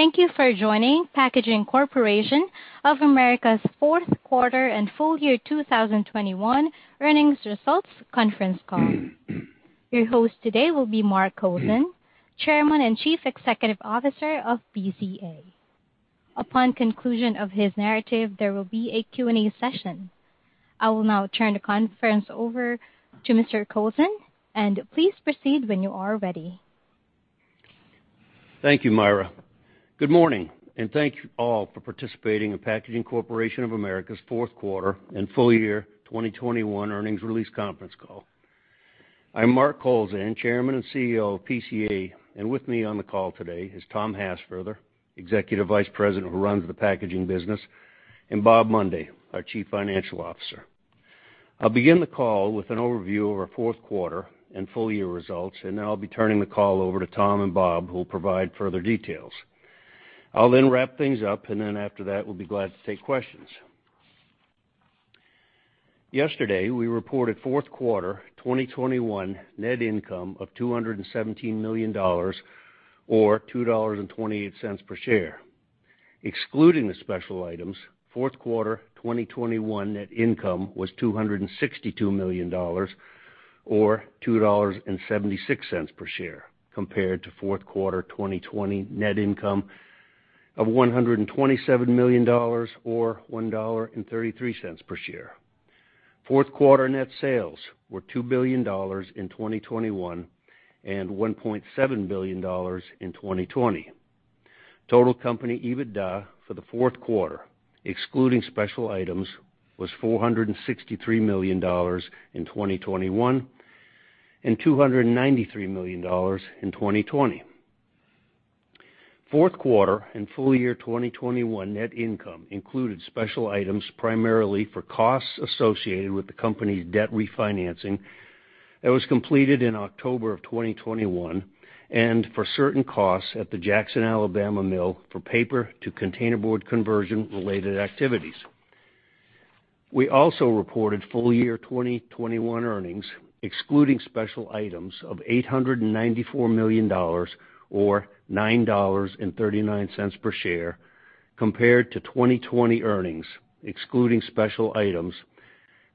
Thank you for joining Packaging Corporation of America's fourth quarter and full year 2021 earnings results conference call. Your host today will be Mark Kowlzan, Chairman and Chief Executive Officer of PCA. Upon conclusion of his narrative, there will be a Q&A session. I will now turn the conference over to Mr. Kowlzan, and please proceed when you are ready. Thank you, Myra. Good morning, and thank you all for participating in Packaging Corporation of America's fourth quarter and full year 2021 earnings release conference call. I'm Mark Kowlzan, Chairman and CEO of PCA, and with me on the call today is Tom Hassfurther, Executive Vice President who runs the packaging business, and Bob Mundy, our Chief Financial Officer. I'll begin the call with an overview of our fourth quarter and full year results, and then I'll be turning the call over to Tom and Bob, who will provide further details. I'll then wrap things up, and then after that, we'll be glad to take questions. Yesterday, we reported fourth quarter 2021 net income of $217 million or $2.28 per share. Excluding the special items, fourth quarter 2021 net income was $262 million or $2.76 per share, compared to fourth quarter 2020 net income of $127 million or $1.33 per share. Fourth quarter net sales were $2 billion in 2021 and $1.7 billion in 2020. Total company EBITDA for the fourth quarter, excluding special items, was $463 million in 2021, and $293 million in 2020. Fourth quarter and full year 2021 net income included special items primarily for costs associated with the company's debt refinancing that was completed in October of 2021 and for certain costs at the Jackson, Alabama mill for paper to containerboard conversion-related activities. We also reported full year 2021 earnings, excluding special items, of $894 million or $9.39 per share, compared to 2020 earnings, excluding special items,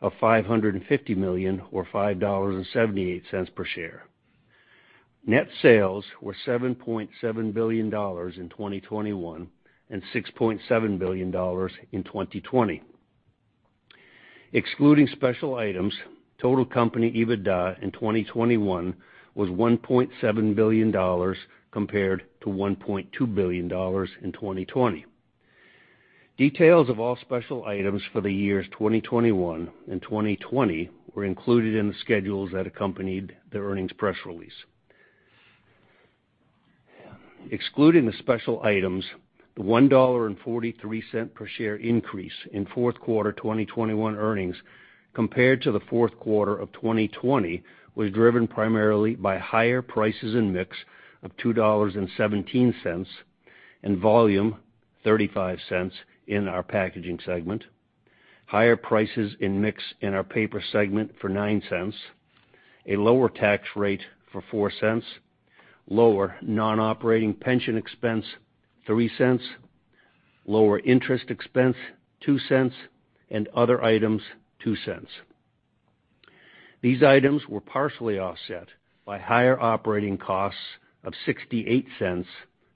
of $550 million or $5.78 per share. Net sales were $7.7 billion in 2021 and $6.7 billion in 2020. Excluding special items, total company EBITDA in 2021 was $1.7 billion compared to $1.2 billion in 2020. Details of all special items for the years 2021 and 2020 were included in the schedules that accompanied the earnings press release. Excluding the special items, the $1.43 per share increase in fourth quarter 2021 earnings compared to the fourth quarter of 2020 was driven primarily by higher prices and mix of $2.17, and volume $0.35 in our Packaging segment. Higher prices and mix in our Paper segment for $0.09, a lower tax rate for $0.04, lower non-operating pension expense $0.03, lower interest expense $0.02, and other items $0.02. These items were partially offset by higher operating costs of $0.68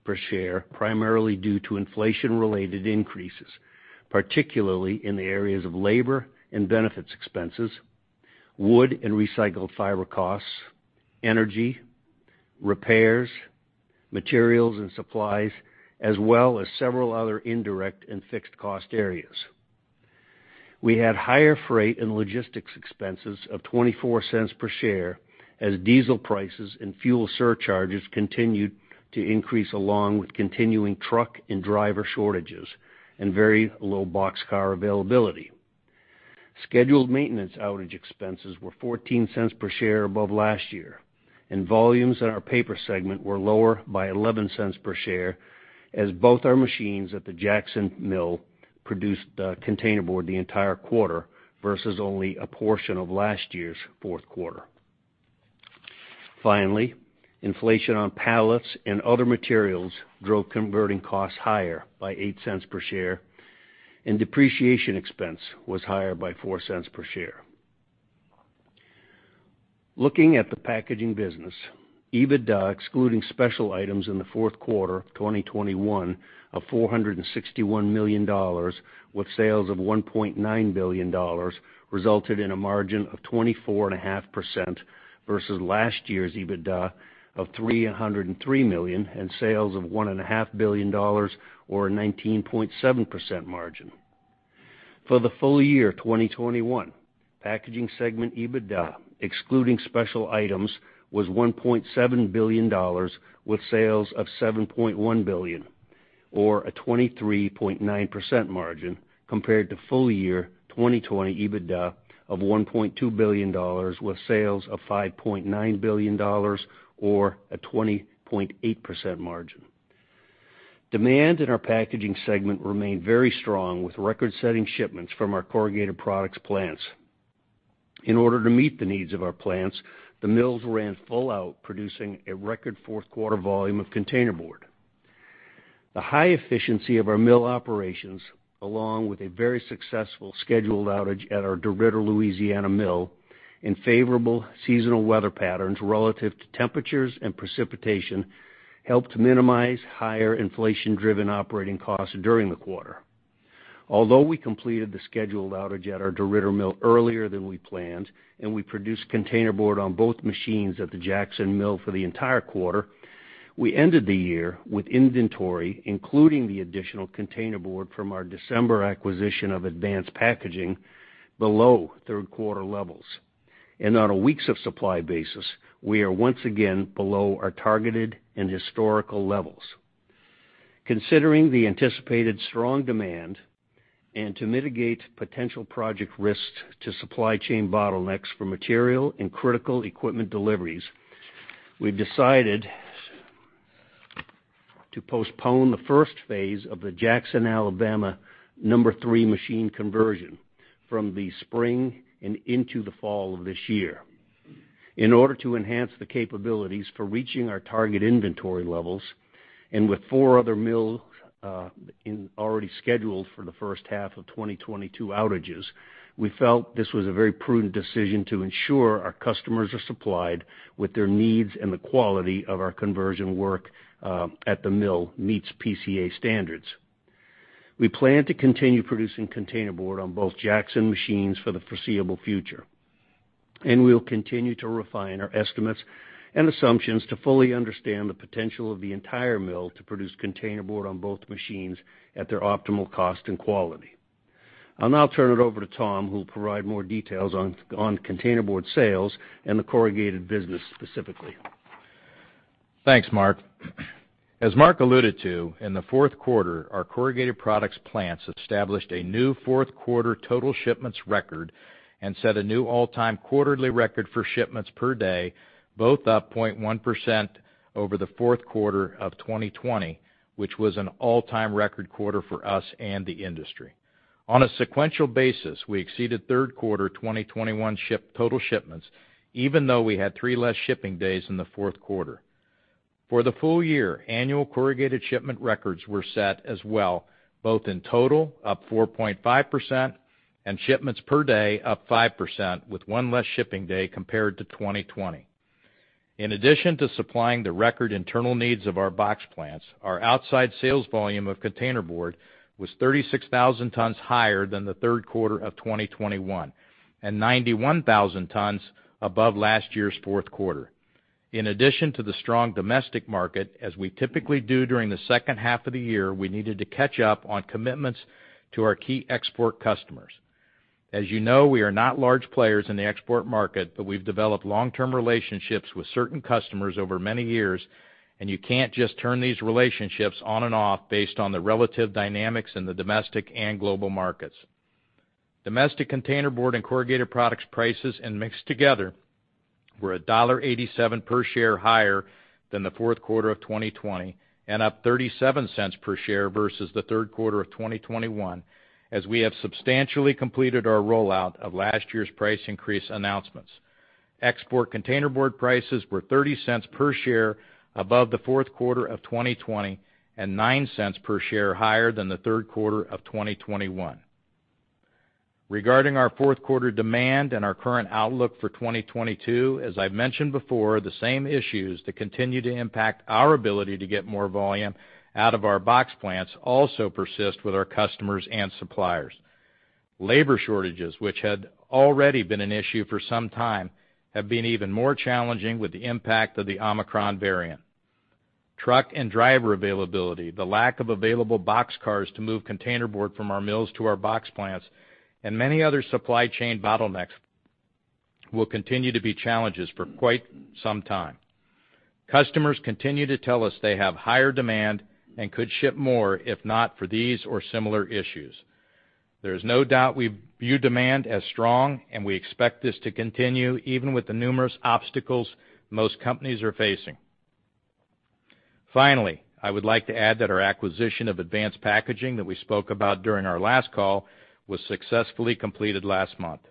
per share, primarily due to inflation-related increases, particularly in the areas of labor and benefits expenses, wood and recycled fiber costs, energy, repairs, materials and supplies, as well as several other indirect and fixed cost areas. We had higher freight and logistics expenses of $0.24 per share as diesel prices and fuel surcharges continued to increase along with continuing truck and driver shortages and very low box car availability. Scheduled maintenance outage expenses were $0.14 per share above last year, and volumes in our paper segment were lower by $0.11 per share as both our machines at the Jackson mill produced containerboard the entire quarter versus only a portion of last year's fourth quarter. Finally, inflation on pallets and other materials drove converting costs higher by $0.08 per share, and depreciation expense was higher by $0.04 per share. Looking at the packaging business, EBITDA, excluding special items in the fourth quarter of 2021 of $461 million with sales of $1.9 billion, resulted in a margin of 24.5% versus last year's EBITDA of $303 million and sales of $1.5 billion or a 19.7% margin. For the full year 2021, packaging segment EBITDA, excluding special items, was $1.7 billion with sales of $7.1 billion or a 23.9% margin compared to full year 2020 EBITDA of $1.2 billion with sales of $5.9 billion or a 20.8% margin. Demand in our packaging segment remained very strong with record-setting shipments from our corrugated products plants. In order to meet the needs of our plants, the mills ran full out, producing a record fourth quarter volume of containerboard. The high efficiency of our mill operations, along with a very successful scheduled outage at our DeRidder, Louisiana mill and favorable seasonal weather patterns relative to temperatures and precipitation, helped minimize higher inflation-driven operating costs during the quarter. Although we completed the scheduled outage at our DeRidder mill earlier than we planned, and we produced containerboard on both machines at the Jackson mill for the entire quarter, we ended the year with inventory, including the additional containerboard from our December acquisition of Advanced Packaging, below third quarter levels. On a weeks of supply basis, we are once again below our targeted and historical levels. Considering the anticipated strong demand and to mitigate potential project risks to supply chain bottlenecks for material and critical equipment deliveries, we've decided to postpone the first phase of the Jackson, Alabama number three machine conversion from the spring and into the fall of this year. In order to enhance the capabilities for reaching our target inventory levels, and with four other mills already scheduled for the first half of 2022 outages, we felt this was a very prudent decision to ensure our customers are supplied with their needs and the quality of our conversion work at the mill meets PCA standards. We plan to continue producing containerboard on both Jackson machines for the foreseeable future, and we will continue to refine our estimates and assumptions to fully understand the potential of the entire mill to produce containerboard on both machines at their optimal cost and quality. I'll now turn it over to Tom, who will provide more details on containerboard sales and the corrugated business specifically. Thanks, Mark. As Mark alluded to, in the fourth quarter, our corrugated products plants established a new fourth quarter total shipments record and set a new all-time quarterly record for shipments per day, both up 0.1% over the fourth quarter of 2020, which was an all-time record quarter for us and the industry. On a sequential basis, we exceeded third quarter 2021 total shipments, even though we had three less shipping days in the fourth quarter. For the full year, annual corrugated shipment records were set as well, both in total, up 4.5%, and shipments per day, up 5%, with one less shipping day compared to 2020. In addition to supplying the record internal needs of our box plants, our outside sales volume of containerboard was 36,000 tons higher than the third quarter of 2021, and 91,000 tons above last year's fourth quarter. In addition to the strong domestic market, as we typically do during the second half of the year, we needed to catch up on commitments to our key export customers. As you know, we are not large players in the export market, but we've developed long-term relationships with certain customers over many years, and you can't just turn these relationships on and off based on the relative dynamics in the domestic and global markets. Domestic containerboard and corrugated products prices and mixed together were $1.87 per share higher than the fourth quarter of 2020 and up $0.37 per share versus the third quarter of 2021, as we have substantially completed our rollout of last year's price increase announcements. Export containerboard prices were $0.30 per share above the fourth quarter of 2020 and $0.09 per share higher than the third quarter of 2021. Regarding our fourth quarter demand and our current outlook for 2022, as I've mentioned before, the same issues that continue to impact our ability to get more volume out of our box plants also persist with our customers and suppliers. Labor shortages, which had already been an issue for some time, have been even more challenging with the impact of the Omicron variant. Truck and driver availability, the lack of available boxcars to move containerboard from our mills to our box plants, and many other supply chain bottlenecks will continue to be challenges for quite some time. Customers continue to tell us they have higher demand and could ship more if not for these or similar issues. There is no doubt we view demand as strong, and we expect this to continue even with the numerous obstacles most companies are facing. Finally, I would like to add that our acquisition of Advance Packaging that we spoke about during our last call was successfully completed last month.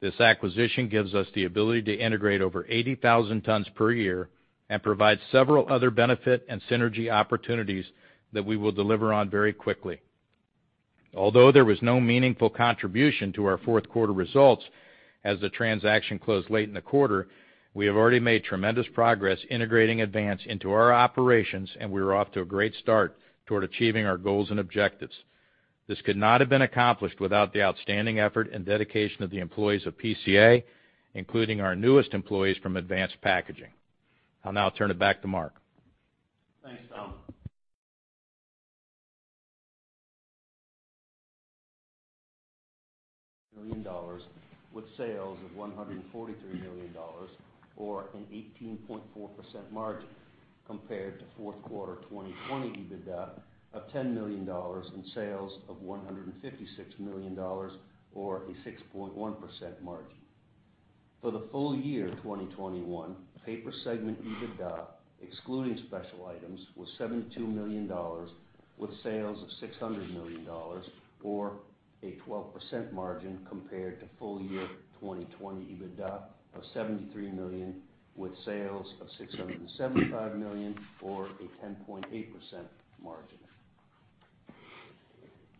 This acquisition gives us the ability to integrate over 80,000 tons per year and provide several other benefit and synergy opportunities that we will deliver on very quickly. Although there was no meaningful contribution to our fourth quarter results as the transaction closed late in the quarter, we have already made tremendous progress integrating Advance into our operations, and we are off to a great start toward achieving our goals and objectives. This could not have been accomplished without the outstanding effort and dedication of the employees of PCA, including our newest employees from Advance Packaging. I'll now turn it back to Mark. Thanks, Tom. Million dollars, with sales of $143 million, or an 18.4% margin compared to fourth quarter 2020 EBITDA of $10 million and sales of $156 million or a 6.1% margin. For the full year 2021, Paper segment EBITDA, excluding special items, was $72 million with sales of $600 million, or a 12% margin compared to full year 2020 EBITDA of $73 million with sales of $675 million or a 10.8% margin.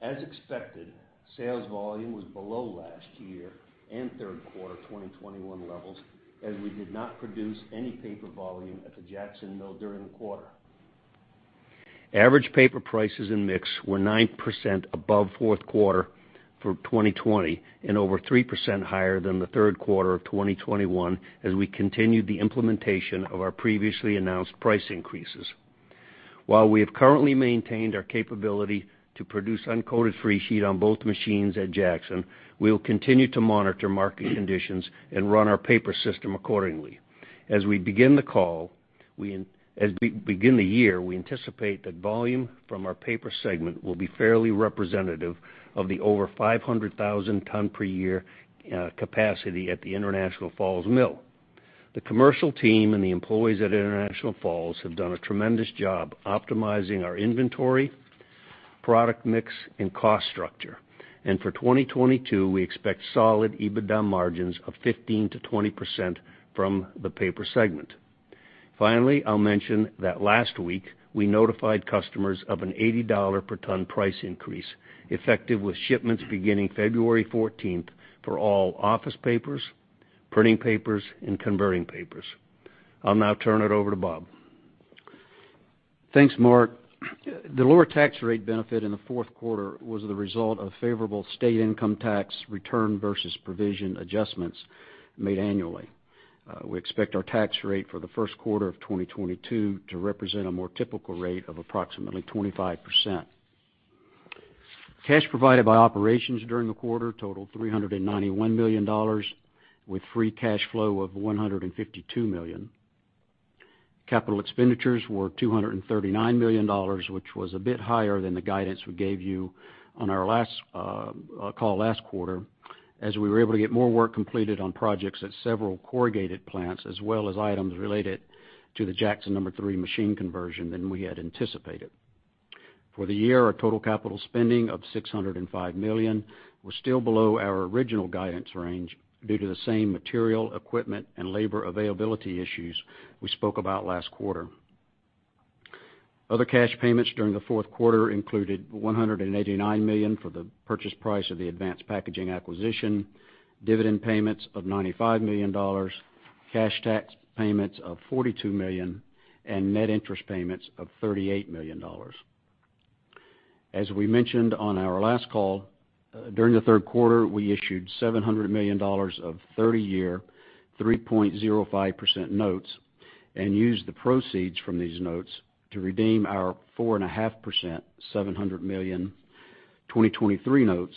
As expected, sales volume was below last year and third quarter of 2021 levels, as we did not produce any paper volume at the Jackson mill during the quarter. Average paper prices and mix were 9% above fourth quarter of 2020 and over 3% higher than the third quarter of 2021 as we continued the implementation of our previously announced price increases. While we have currently maintained our capability to produce uncoated freesheet on both machines at Jackson, we will continue to monitor market conditions and run our paper system accordingly. As we begin the year, we anticipate that volume from our paper segment will be fairly representative of the over 500,000 tons per year capacity at the International Falls Mill. The commercial team and the employees at International Falls have done a tremendous job optimizing our inventory, product mix and cost structure. For 2022, we expect solid EBITDA margins of 15%-20% from the paper segment. Finally, I'll mention that last week we notified customers of an $80 per ton price increase, effective with shipments beginning February 14 for all office papers, printing papers, and converting papers. I'll now turn it over to Bob. Thanks, Mark. The lower tax rate benefit in the fourth quarter was the result of favorable state income tax return versus provision adjustments made annually. We expect our tax rate for the first quarter of 2022 to represent a more typical rate of approximately 25%. Cash provided by operations during the quarter totaled $391 million, with free cash flow of $152 million. Capital expenditures were $239 million, which was a bit higher than the guidance we gave you on our last call last quarter, as we were able to get more work completed on projects at several corrugated plants as well as items related to the Jackson number three machine conversion than we had anticipated. For the year, our total capital spending of $605 million was still below our original guidance range due to the same material, equipment and labor availability issues we spoke about last quarter. Other cash payments during the fourth quarter included $189 million for the purchase price of the Advance Packaging acquisition, dividend payments of $95 million, cash tax payments of $42 million, and net interest payments of $38 million. As we mentioned on our last call, during the third quarter, we issued $700 million of 30-year, 3.05% notes and used the proceeds from these notes to redeem our 4.5%, $700 million 2023 notes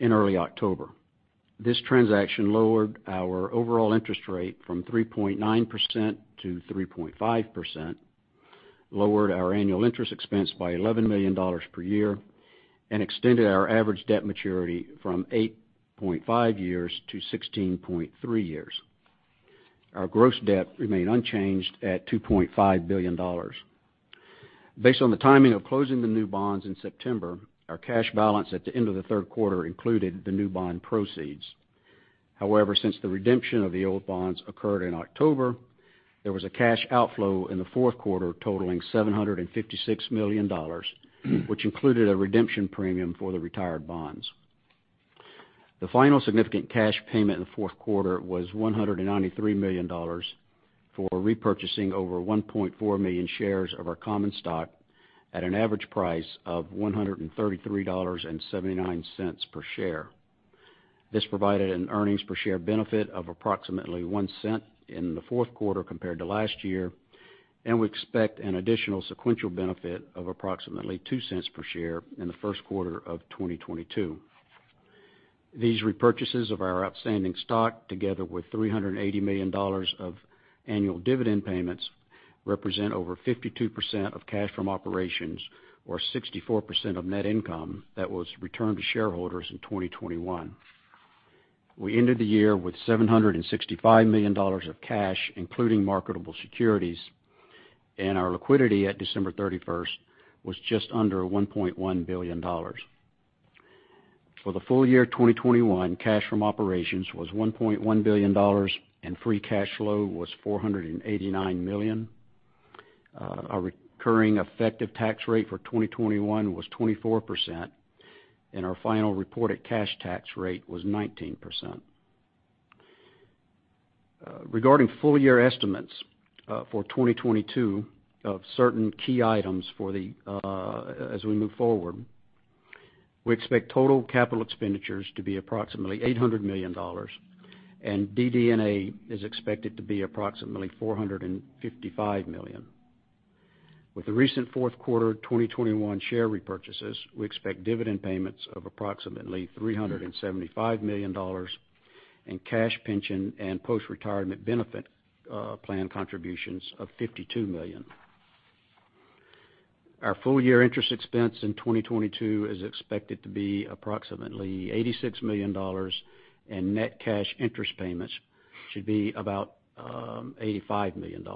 in early October. This transaction lowered our overall interest rate from 3.9% to 3.5%, lowered our annual interest expense by $11 million per year, and extended our average debt maturity from 8.5 years to 16.3 years. Our gross debt remained unchanged at $2.5 billion. Based on the timing of closing the new bonds in September, our cash balance at the end of the third quarter included the new bond proceeds. However, since the redemption of the old bonds occurred in October, there was a cash outflow in the fourth quarter totaling $756 million, which included a redemption premium for the retired bonds. The final significant cash payment in the fourth quarter was $193 million for repurchasing over 1.4 million shares of our common stock at an average price of $133.79 per share. This provided an earnings per share benefit of approximately $0.01 in the fourth quarter compared to last year, and we expect an additional sequential benefit of approximately $0.02 per share in the first quarter of 2022. These repurchases of our outstanding stock, together with $380 million of annual dividend payments, represent over 52% of cash from operations or 64% of net income that was returned to shareholders in 2021. We ended the year with $765 million of cash, including marketable securities, and our liquidity at December 31st was just under $1.1 billion. For the full year 2021, cash from operations was $1.1 billion, and free cash flow was $489 million. Our recurring effective tax rate for 2021 was 24%, and our final reported cash tax rate was 19%. Regarding full year estimates for 2022 of certain key items, as we move forward, we expect total capital expenditures to be approximately $800 million, and DD&A is expected to be approximately $455 million. With the recent fourth quarter 2021 share repurchases, we expect dividend payments of approximately $375 million and cash pension and post-retirement benefit plan contributions of $52 million. Our full year interest expense in 2022 is expected to be approximately $86 million and net cash interest payments should be about $85 million.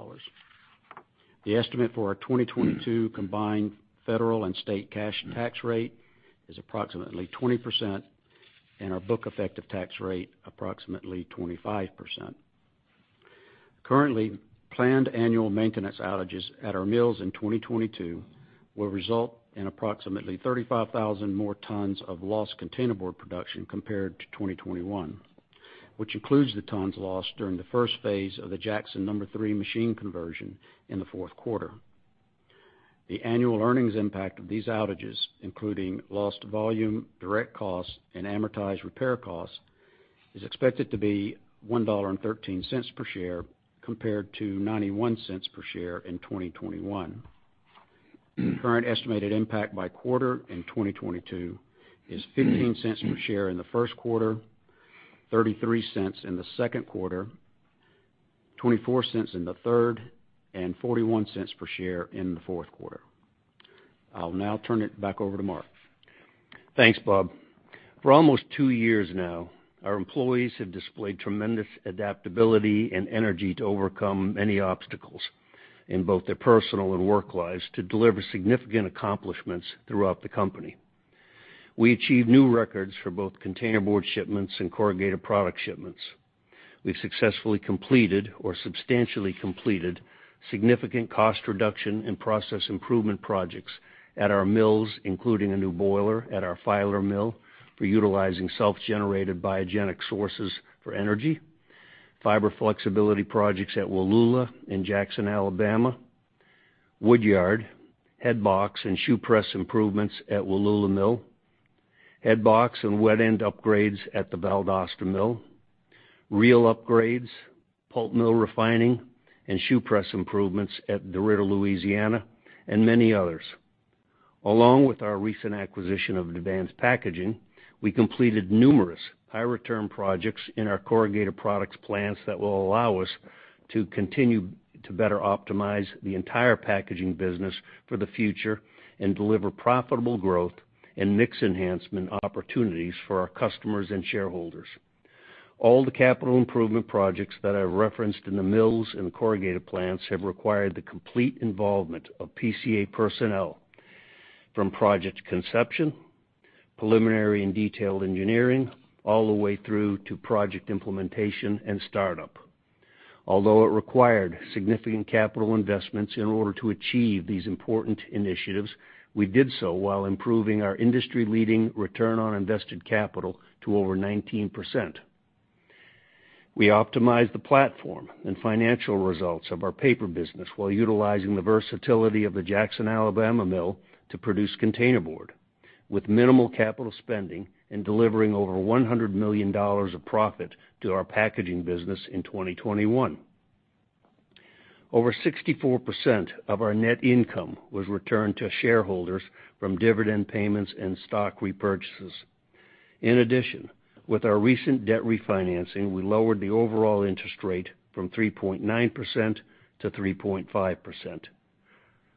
The estimate for our 2022 combined federal and state cash tax rate is approximately 20% and our book effective tax rate approximately 25%. Currently, planned annual maintenance outages at our mills in 2022 will result in approximately 35,000 more tons of lost containerboard production compared to 2021, which includes the tons lost during the first phase of the Jackson number three machine conversion in the fourth quarter. The annual earnings impact of these outages, including lost volume, direct costs, and amortized repair costs, is expected to be $1.13 per share, compared to $0.91 per share in 2021. Current estimated impact by quarter in 2022 is $0.15 per share in the first quarter, $0.33 in the second quarter, $0.24 in the third, and $0.41 per share in the fourth quarter. I'll now turn it back over to Mark. Thanks, Bob. For almost two years now, our employees have displayed tremendous adaptability and energy to overcome many obstacles in both their personal and work lives to deliver significant accomplishments throughout the company. We achieved new records for both containerboard shipments and corrugated product shipments. We've successfully completed or substantially completed significant cost reduction and process improvement projects at our mills, including a new boiler at our Filer City mill for utilizing self-generated biogenic sources for energy, fiber flexibility projects at Wallula and Jackson, Alabama, wood yard, head box, and shoe press improvements at Wallula mill, head box and wet end upgrades at the Valdosta mill, reel upgrades, pulp mill refining, and shoe press improvements at DeRidder, Louisiana, and many others. Along with our recent acquisition of Advance Packaging, we completed numerous high return projects in our corrugated products plants that will allow us to continue to better optimize the entire packaging business for the future and deliver profitable growth and mix enhancement opportunities for our customers and shareholders. All the capital improvement projects that I referenced in the mills and corrugated plants have required the complete involvement of PCA personnel from project conception, preliminary and detailed engineering, all the way through to project implementation and startup. Although it required significant capital investments in order to achieve these important initiatives, we did so while improving our industry-leading return on invested capital to over 19%. We optimized the platform and financial results of our paper business while utilizing the versatility of the Jackson, Alabama mill to produce containerboard with minimal capital spending and delivering over $100 million of profit to our packaging business in 2021. Over 64% of our net income was returned to shareholders from dividend payments and stock repurchases. In addition, with our recent debt refinancing, we lowered the overall interest rate from 3.9% to 3.5%,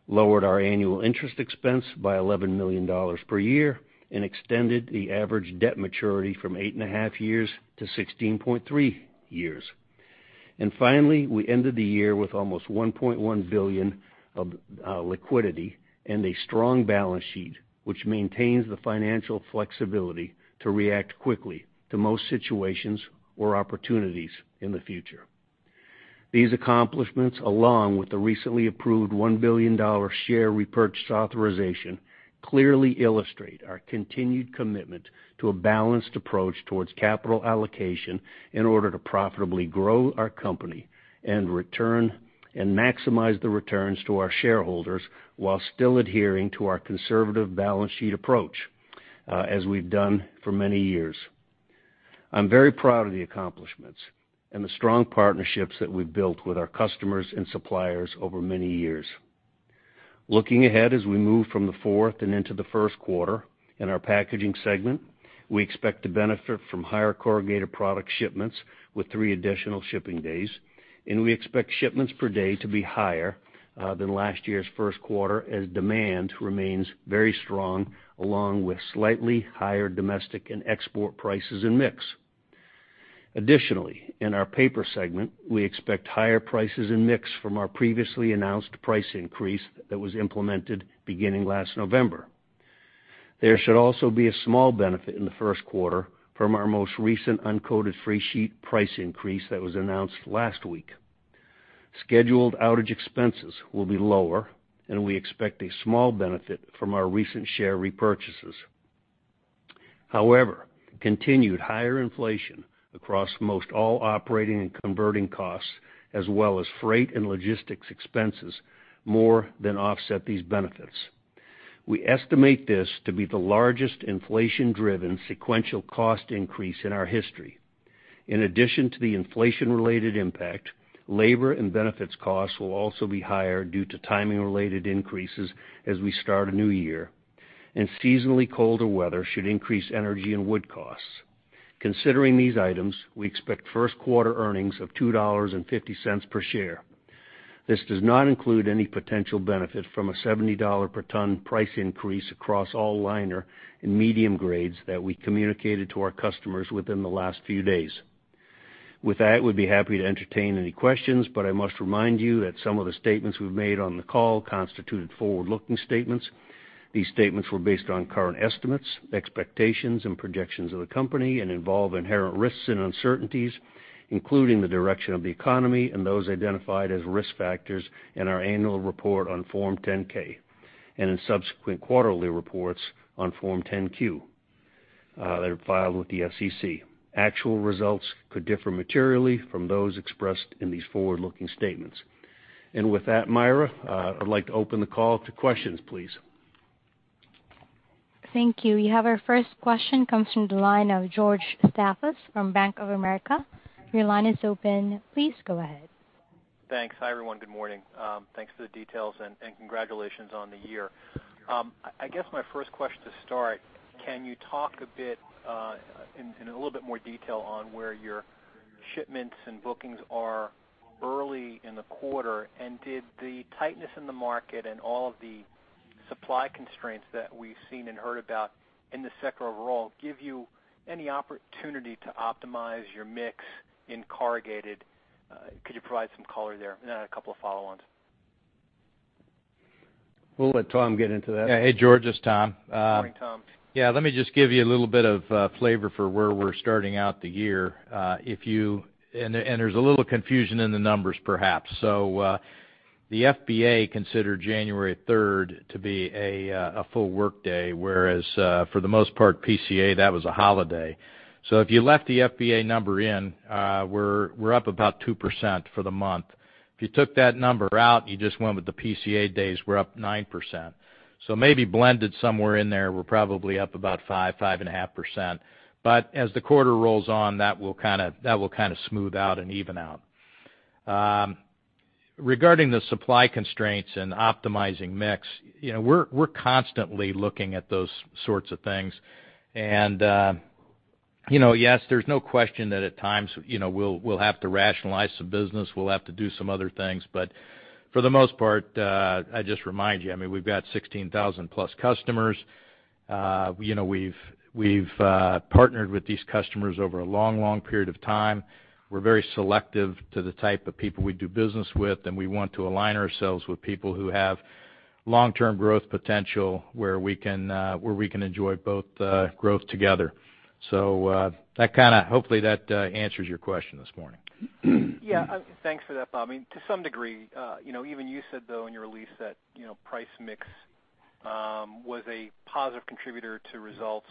lowered our annual interest expense by $11 million per year and extended the average debt maturity from 8.5 years to 16.3 years. We ended the year with almost $1.1 billion of liquidity and a strong balance sheet, which maintains the financial flexibility to react quickly to most situations or opportunities in the future. These accomplishments, along with the recently approved $1 billion share repurchase authorization, clearly illustrate our continued commitment to a balanced approach towards capital allocation in order to profitably grow our company and maximize the returns to our shareholders while still adhering to our conservative balance sheet approach, as we've done for many years. I'm very proud of the accomplishments and the strong partnerships that we've built with our customers and suppliers over many years. Looking ahead as we move from the fourth and into the first quarter in our Packaging segment, we expect to benefit from higher corrugated product shipments with three additional shipping days, and we expect shipments per day to be higher, than last year's first quarter as demand remains very strong along with slightly higher domestic and export prices and mix. Additionally, in our paper segment, we expect higher prices and mix from our previously announced price increase that was implemented beginning last November. There should also be a small benefit in the first quarter from our most recent uncoated freesheet price increase that was announced last week. Scheduled outage expenses will be lower and we expect a small benefit from our recent share repurchases. However, continued higher inflation across most all operating and converting costs, as well as freight and logistics expenses, more than offset these benefits. We estimate this to be the largest inflation-driven sequential cost increase in our history. In addition to the inflation-related impact, labor and benefits costs will also be higher due to timing-related increases as we start a new year, and seasonally colder weather should increase energy and wood costs. Considering these items, we expect first quarter earnings of $2.50 per share. This does not include any potential benefit from a $70 per ton price increase across all liner in medium grades that we communicated to our customers within the last few days. With that, we'd be happy to entertain any questions, but I must remind you that some of the statements we've made on the call constituted forward-looking statements. These statements were based on current estimates, expectations, and projections of the company and involve inherent risks and uncertainties, including the direction of the economy and those identified as risk factors in our annual report on Form 10-K and in subsequent quarterly reports on Form 10-Q, that are filed with the SEC. Actual results could differ materially from those expressed in these forward-looking statements. With that, Myra, I'd like to open the call to questions, please. Thank you. We have our first question comes from the line of George Staphos from Bank of America. Your line is open. Please go ahead. Thanks. Hi, everyone. Good morning. Thanks for the details and congratulations on the year. I guess my first question to start, can you talk a bit, in a little bit more detail on where your shipments and bookings are early in the quarter? Did the tightness in the market and all of the supply constraints that we've seen and heard about in the sector overall give you any opportunity to optimize your mix in corrugated? Could you provide some color there? I have a couple of follow-ons. We'll let Tom get into that. George, it's Tom. Morning, Tom. Yeah, let me just give you a little bit of flavor for where we're starting out the year. There's a little confusion in the numbers perhaps. The FBA considered January third to be a full workday, whereas for the most part, PCA, that was a holiday. If you left the FBA number in, we're up about 2% for the month. If you took that number out, you just went with the PCA days, we're up 9%. Maybe blended somewhere in there, we're probably up about 5.5%. But as the quarter rolls on, that will kinda smooth out and even out. Regarding the supply constraints and optimizing mix, you know, we're constantly looking at those sorts of things. You know, yes, there's no question that at times, you know, we'll have to rationalize some business, we'll have to do some other things. But for the most part, I just remind you, I mean, we've got 16,000+ customers. You know, we've partnered with these customers over a long, long period of time. We're very selective to the type of people we do business with, and we want to align ourselves with people who have long-term growth potential where we can enjoy both growth together. Hopefully, that answers your question this morning. Thanks for that, Bob. I mean, to some degree, you know, even you said, though, in your release that, you know, price mix was a positive contributor to results,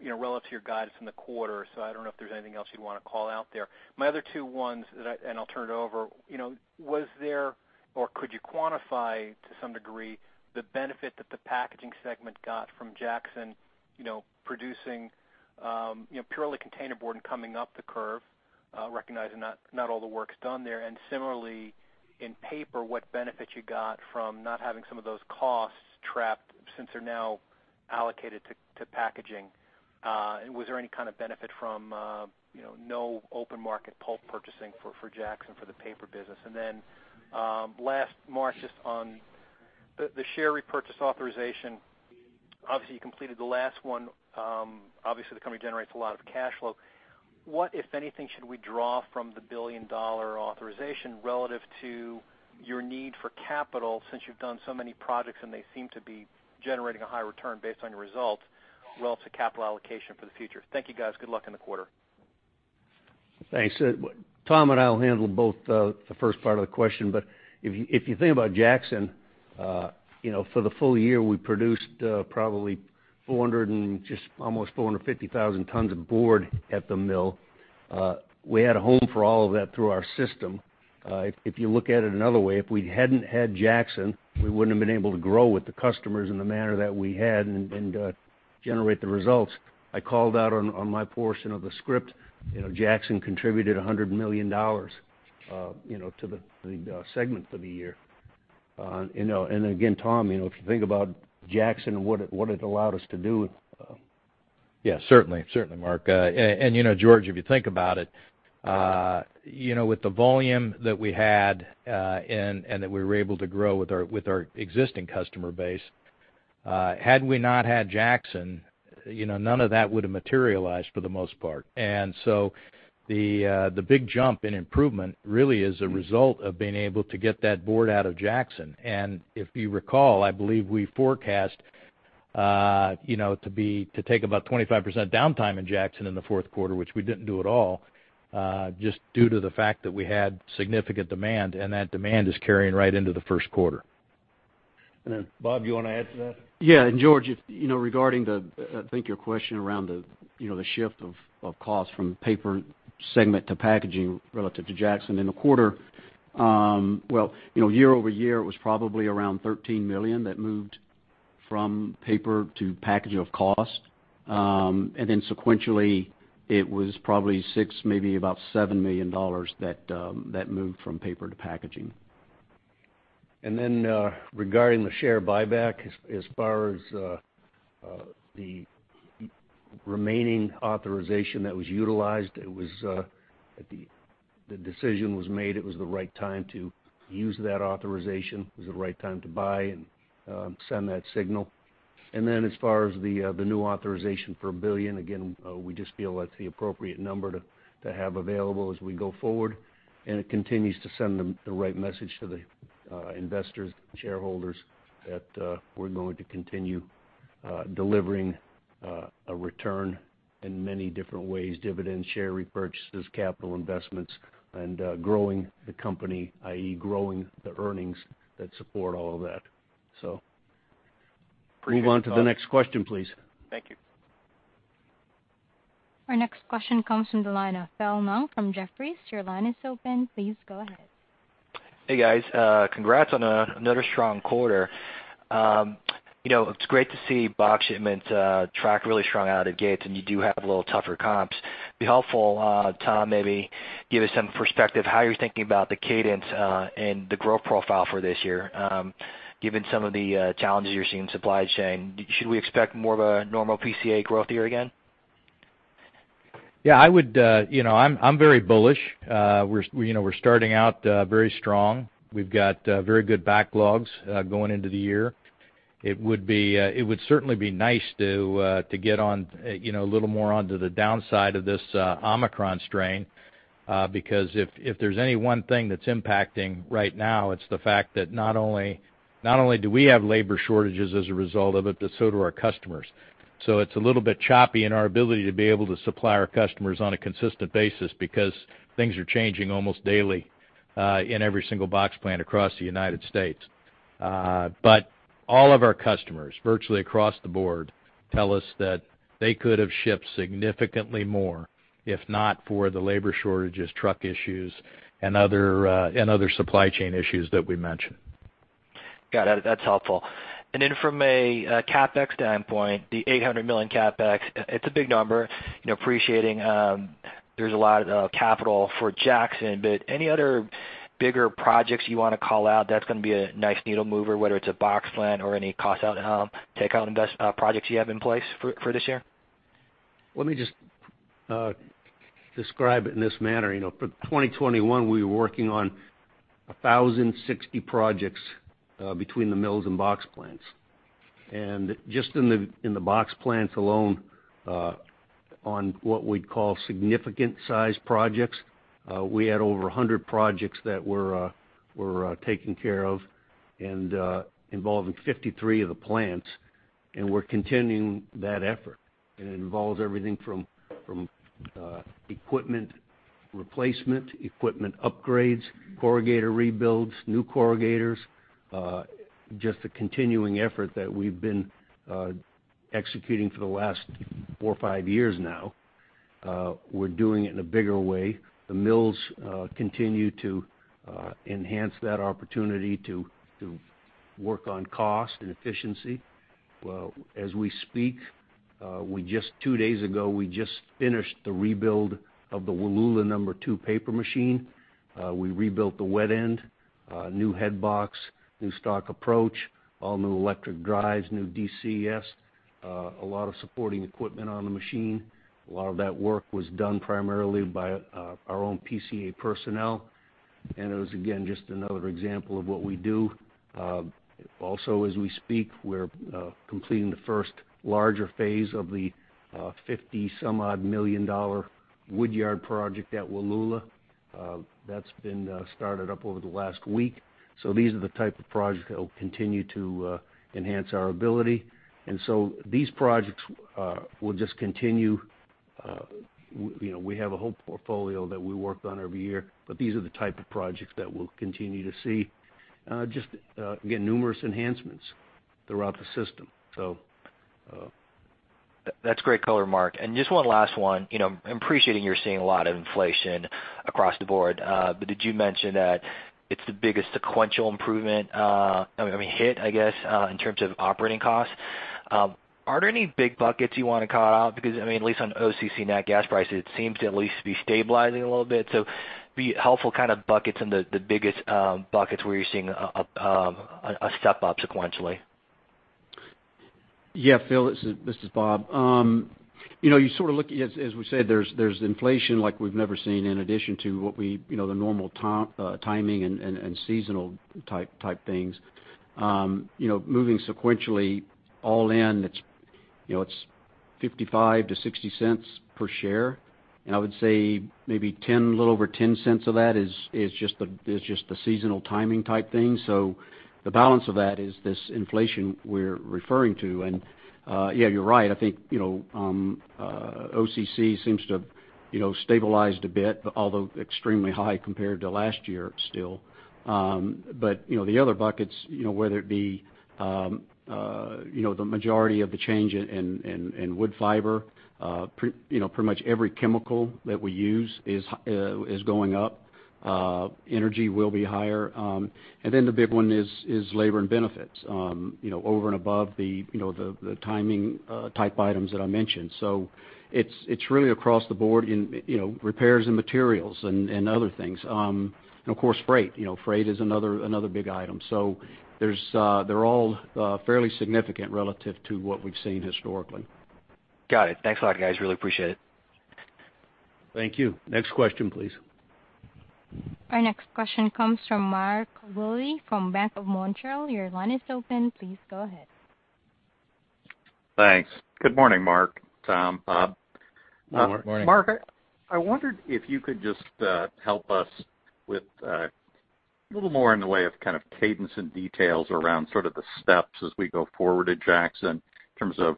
you know, relative to your guidance in the quarter. I don't know if there's anything else you'd wanna call out there. I'll turn it over. You know, was there, or could you quantify to some degree the benefit that the Packaging segment got from Jackson, you know, producing, you know, purely containerboard and coming up the curve, recognizing not all the work's done there? And similarly, in Paper, what benefit you got from not having some of those costs trapped since they're now allocated to packaging? Was there any kind of benefit from, you know, no open market pulp purchasing for Jackson for the paper business? Then last, Mark, just on the share repurchase authorization. Obviously, you completed the last one. Obviously, the company generates a lot of cash flow. What, if anything, should we draw from the billion-dollar authorization relative to your need for capital since you've done so many projects and they seem to be generating a high return based on your results relative to capital allocation for the future? Thank you, guys. Good luck in the quarter. Thanks. Tom and I will handle both the first part of the question. If you think about Jackson, you know, for the full year, we produced probably 400 and just almost 450,000 tons of board at the mill. We had a home for all of that through our system. If you look at it another way, if we hadn't had Jackson, we wouldn't have been able to grow with the customers in the manner that we had and generate the results. I called out on my portion of the script, you know, Jackson contributed $100 million, you know, to the segment for the year. You know, Tom, you know, if you think about Jackson and what it allowed us to do. Certainly, Mark. And, you know, George, if you think about it, you know, with the volume that we had, and that we were able to grow with our existing customer base, had we not had Jackson, you know, none of that would have materialized for the most part. The big jump in improvement really is a result of being able to get that board out of Jackson. If you recall, I believe we forecast, you know, to take about 25% downtime in Jackson in the fourth quarter, which we didn't do at all, just due to the fact that we had significant demand, and that demand is carrying right into the first quarter. Bob, do you wanna add to that? George, regarding the, I think your question around the shift of costs from Paper segment to Packaging relative to Jackson in the quarter. Well, you know, year-over-year, it was probably around $13 million that moved from Paper to Packaging of costs. Sequentially, it was probably $6 million, maybe about $7 million that moved from Paper to Packaging. Regarding the share buyback, as far as the remaining authorization that was utilized, it was the decision was made, it was the right time to use that authorization. It was the right time to buy and send that signal. As far as the new authorization for $1 billion, again, we just feel that's the appropriate number to have available as we go forward. It continues to send them the right message to the investors, shareholders that we're going to continue delivering a return in many different ways, dividend share repurchases, capital investments, and growing the company, i.e. growing the earnings that support all of that. Move on to the next question, please. Thank you. Our next question comes from the line of Phil Ng from Jefferies. Your line is open. Please go ahead. Congrats on another strong quarter. You know, it's great to see box shipments track really strong out of gates, and you do have a little tougher comps. It would be helpful, Tom, maybe give us some perspective how you're thinking about the cadence and the growth profile for this year, given some of the challenges you're seeing in supply chain. Should we expect more of a normal PCA growth year again? I would, you know, I'm very bullish. We're, you know, starting out very strong. We've got very good backlogs going into the year. It would certainly be nice to get on, you know, a little more onto the downside of this Omicron strain, because if there's any one thing that's impacting right now, it's the fact that not only do we have labor shortages as a result of it, but so do our customers. It's a little bit choppy in our ability to be able to supply our customers on a consistent basis because things are changing almost daily in every single box plant across the United States. All of our customers, virtually across the board, tell us that they could have shipped significantly more, if not for the labor shortages, truck issues, and other supply chain issues that we mentioned. Got it. That's helpful. From a CapEx standpoint, the $800 million CapEx, it's a big number. You know, appreciating, there's a lot of capital for Jackson, but any other bigger projects you wanna call out that's gonna be a nice needle mover, whether it's a box plant or any cost out, takeout projects you have in place for this year? Let me just describe it in this manner. You know, for 2021, we were working on 1,060 projects between the mills and box plants. Just in the box plants alone, on what we'd call significant size projects, we had over 100 projects that were taken care of and involving 53 of the plants, and we're continuing that effort. It involves everything from equipment replacement, equipment upgrades, corrugator rebuilds, new corrugators, just a continuing effort that we've been executing for the last four or five years now. We're doing it in a bigger way. The mills continue to enhance that opportunity to work on cost and efficiency. Well, as we speak, two days ago we just finished the rebuild of the Wallula No. 2 paper machine. We rebuilt the wet end, new head box, new stock approach, all new electric drives, new DCS, a lot of supporting equipment on the machine. A lot of that work was done primarily by our own PCA personnel, and it was, again, just another example of what we do. Also, as we speak, we're completing the first larger phase of the $50-some-odd million wood yard project at Wallula. That's been started up over the last week. These are the type of projects that will continue to enhance our ability. These projects will just continue. You know, we have a whole portfolio that we work on every year, but these are the type of projects that we'll continue to see. Just, again, numerous enhancements throughout the system. That's great color, Mark. Just one last one. You know, I'm appreciating you're seeing a lot of inflation across the board. Did you mention that it's the biggest sequential improvement in terms of operating costs? Are there any big buckets you wanna call out? Because, I mean, at least on OCC net gas prices, it seems to at least be stabilizing a little bit. It'd be helpful kind of buckets and the biggest buckets where you're seeing a step up sequentially. Phil, this is Bob. You know, you sort of look at, as we said, there's inflation like we've never seen in addition to what we, you know, the normal timing and seasonal type things. You know, moving sequentially all in, it's, you know, it's $0.55-$0.60 per share. I would say maybe $0.10, a little over $0.10 of that is just the seasonal timing type thing. So the balance of that is this inflation we're referring to. Yeah, you're right. I think, you know, OCC seems to have, you know, stabilized a bit, although extremely high compared to last year still. You know, the other buckets, you know, whether it be, you know, the majority of the change in wood fiber, pretty much every chemical that we use is going up. Energy will be higher. The big one is labor and benefits, you know, over and above the, you know, the timing type items that I mentioned. It's really across the board in, you know, repairs and materials and other things. Of course, freight. You know, freight is another big item. They're all fairly significant relative to what we've seen historically. Got it. Thanks a lot, guys. Really appreciate it. Thank you. Next question, please. Our next question comes from Mark Wilde from Bank of Montreal. Your line is open. Please go ahead. Thanks. Good morning, Mark, Tom, Bob. Good morning. Mark, I wondered if you could just help us with a little more in the way of kind of cadence and details around sort of the steps as we go forward at Jackson in terms of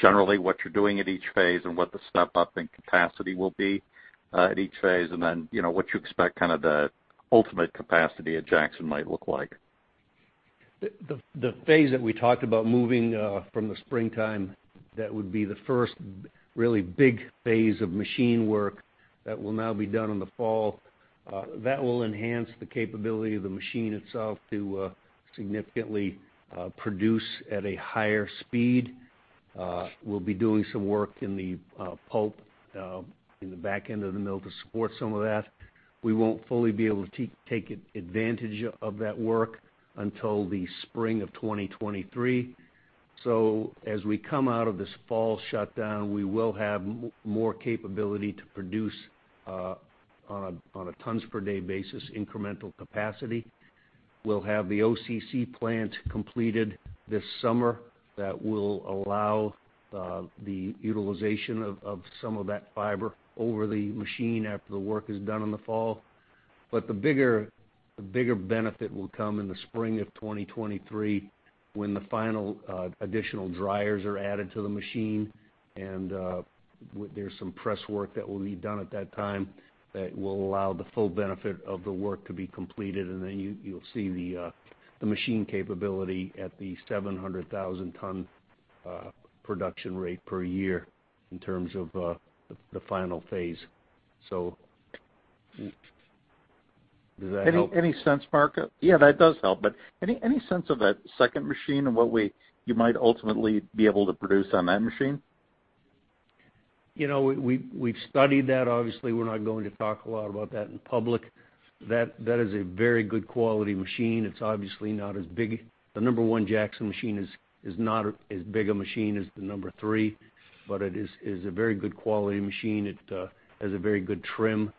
generally what you're doing at each phase and what the step-up in capacity will be at each phase, and then, you know, what you expect kind of the ultimate capacity at Jackson might look like. The phase that we talked about moving from the springtime, that would be the first really big phase of machine work that will now be done in the fall, that will enhance the capability of the machine itself to significantly produce at a higher speed. We'll be doing some work in the pulp in the back end of the mill to support some of that. We won't fully be able to take advantage of that work until the spring of 2023. As we come out of this fall shutdown, we will have more capability to produce on a tons per day basis, incremental capacity. We'll have the OCC plant completed this summer that will allow the utilization of some of that fiber over the machine after the work is done in the fall. The bigger benefit will come in the spring of 2023 when the final additional dryers are added to the machine, and there's some press work that will be done at that time that will allow the full benefit of the work to be completed, and then you'll see the machine capability at the 700,000-ton production rate per year in terms of the final phase. Does that help? Any sense, Mark? Yeah, that does help. Any sense of that second machine and what you might ultimately be able to produce on that machine? You know, we've studied that. Obviously, we're not going to talk a lot about that in public. That is a very good quality machine. It's obviously not as big. The number one Jackson machine is not as big a machine as the number three, but it is a very good quality machine. It has a very good trim.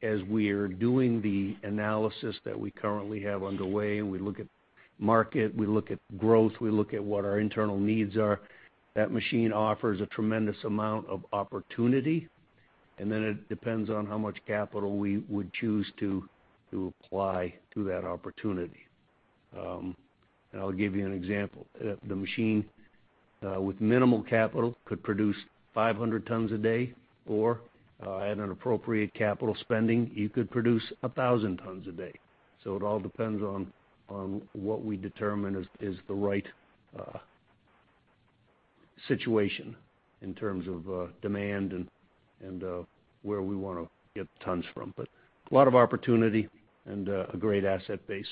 As we're doing the analysis that we currently have underway, we look at market, we look at growth, we look at what our internal needs are, that machine offers a tremendous amount of opportunity, and then it depends on how much capital we would choose to apply to that opportunity. I'll give you an example. The machine with minimal capital could produce 500 tons a day, or at an appropriate capital spending, you could produce 1,000 tons a day. It all depends on what we determine is the right situation in terms of demand and where we wanna get tons from. A lot of opportunity and a great asset base.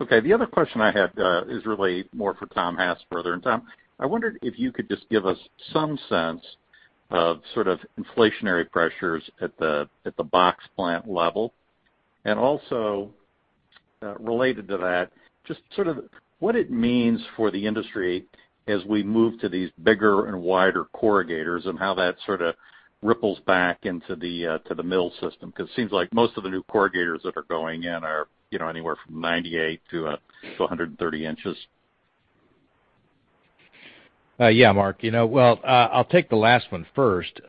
Okay, the other question I had is really more for Tom Hassfurther. Tom, I wondered if you could just give us some sense of sort of inflationary pressures at the box plant level. Also, related to that, just sort of what it means for the industry as we move to these bigger and wider corrugators, and how that sort of ripples back into the mill system, because it seems like most of the new corrugators that are going in are, you know, anywhere from 98-130 inches. Mark. You know, well, I'll take the last one first,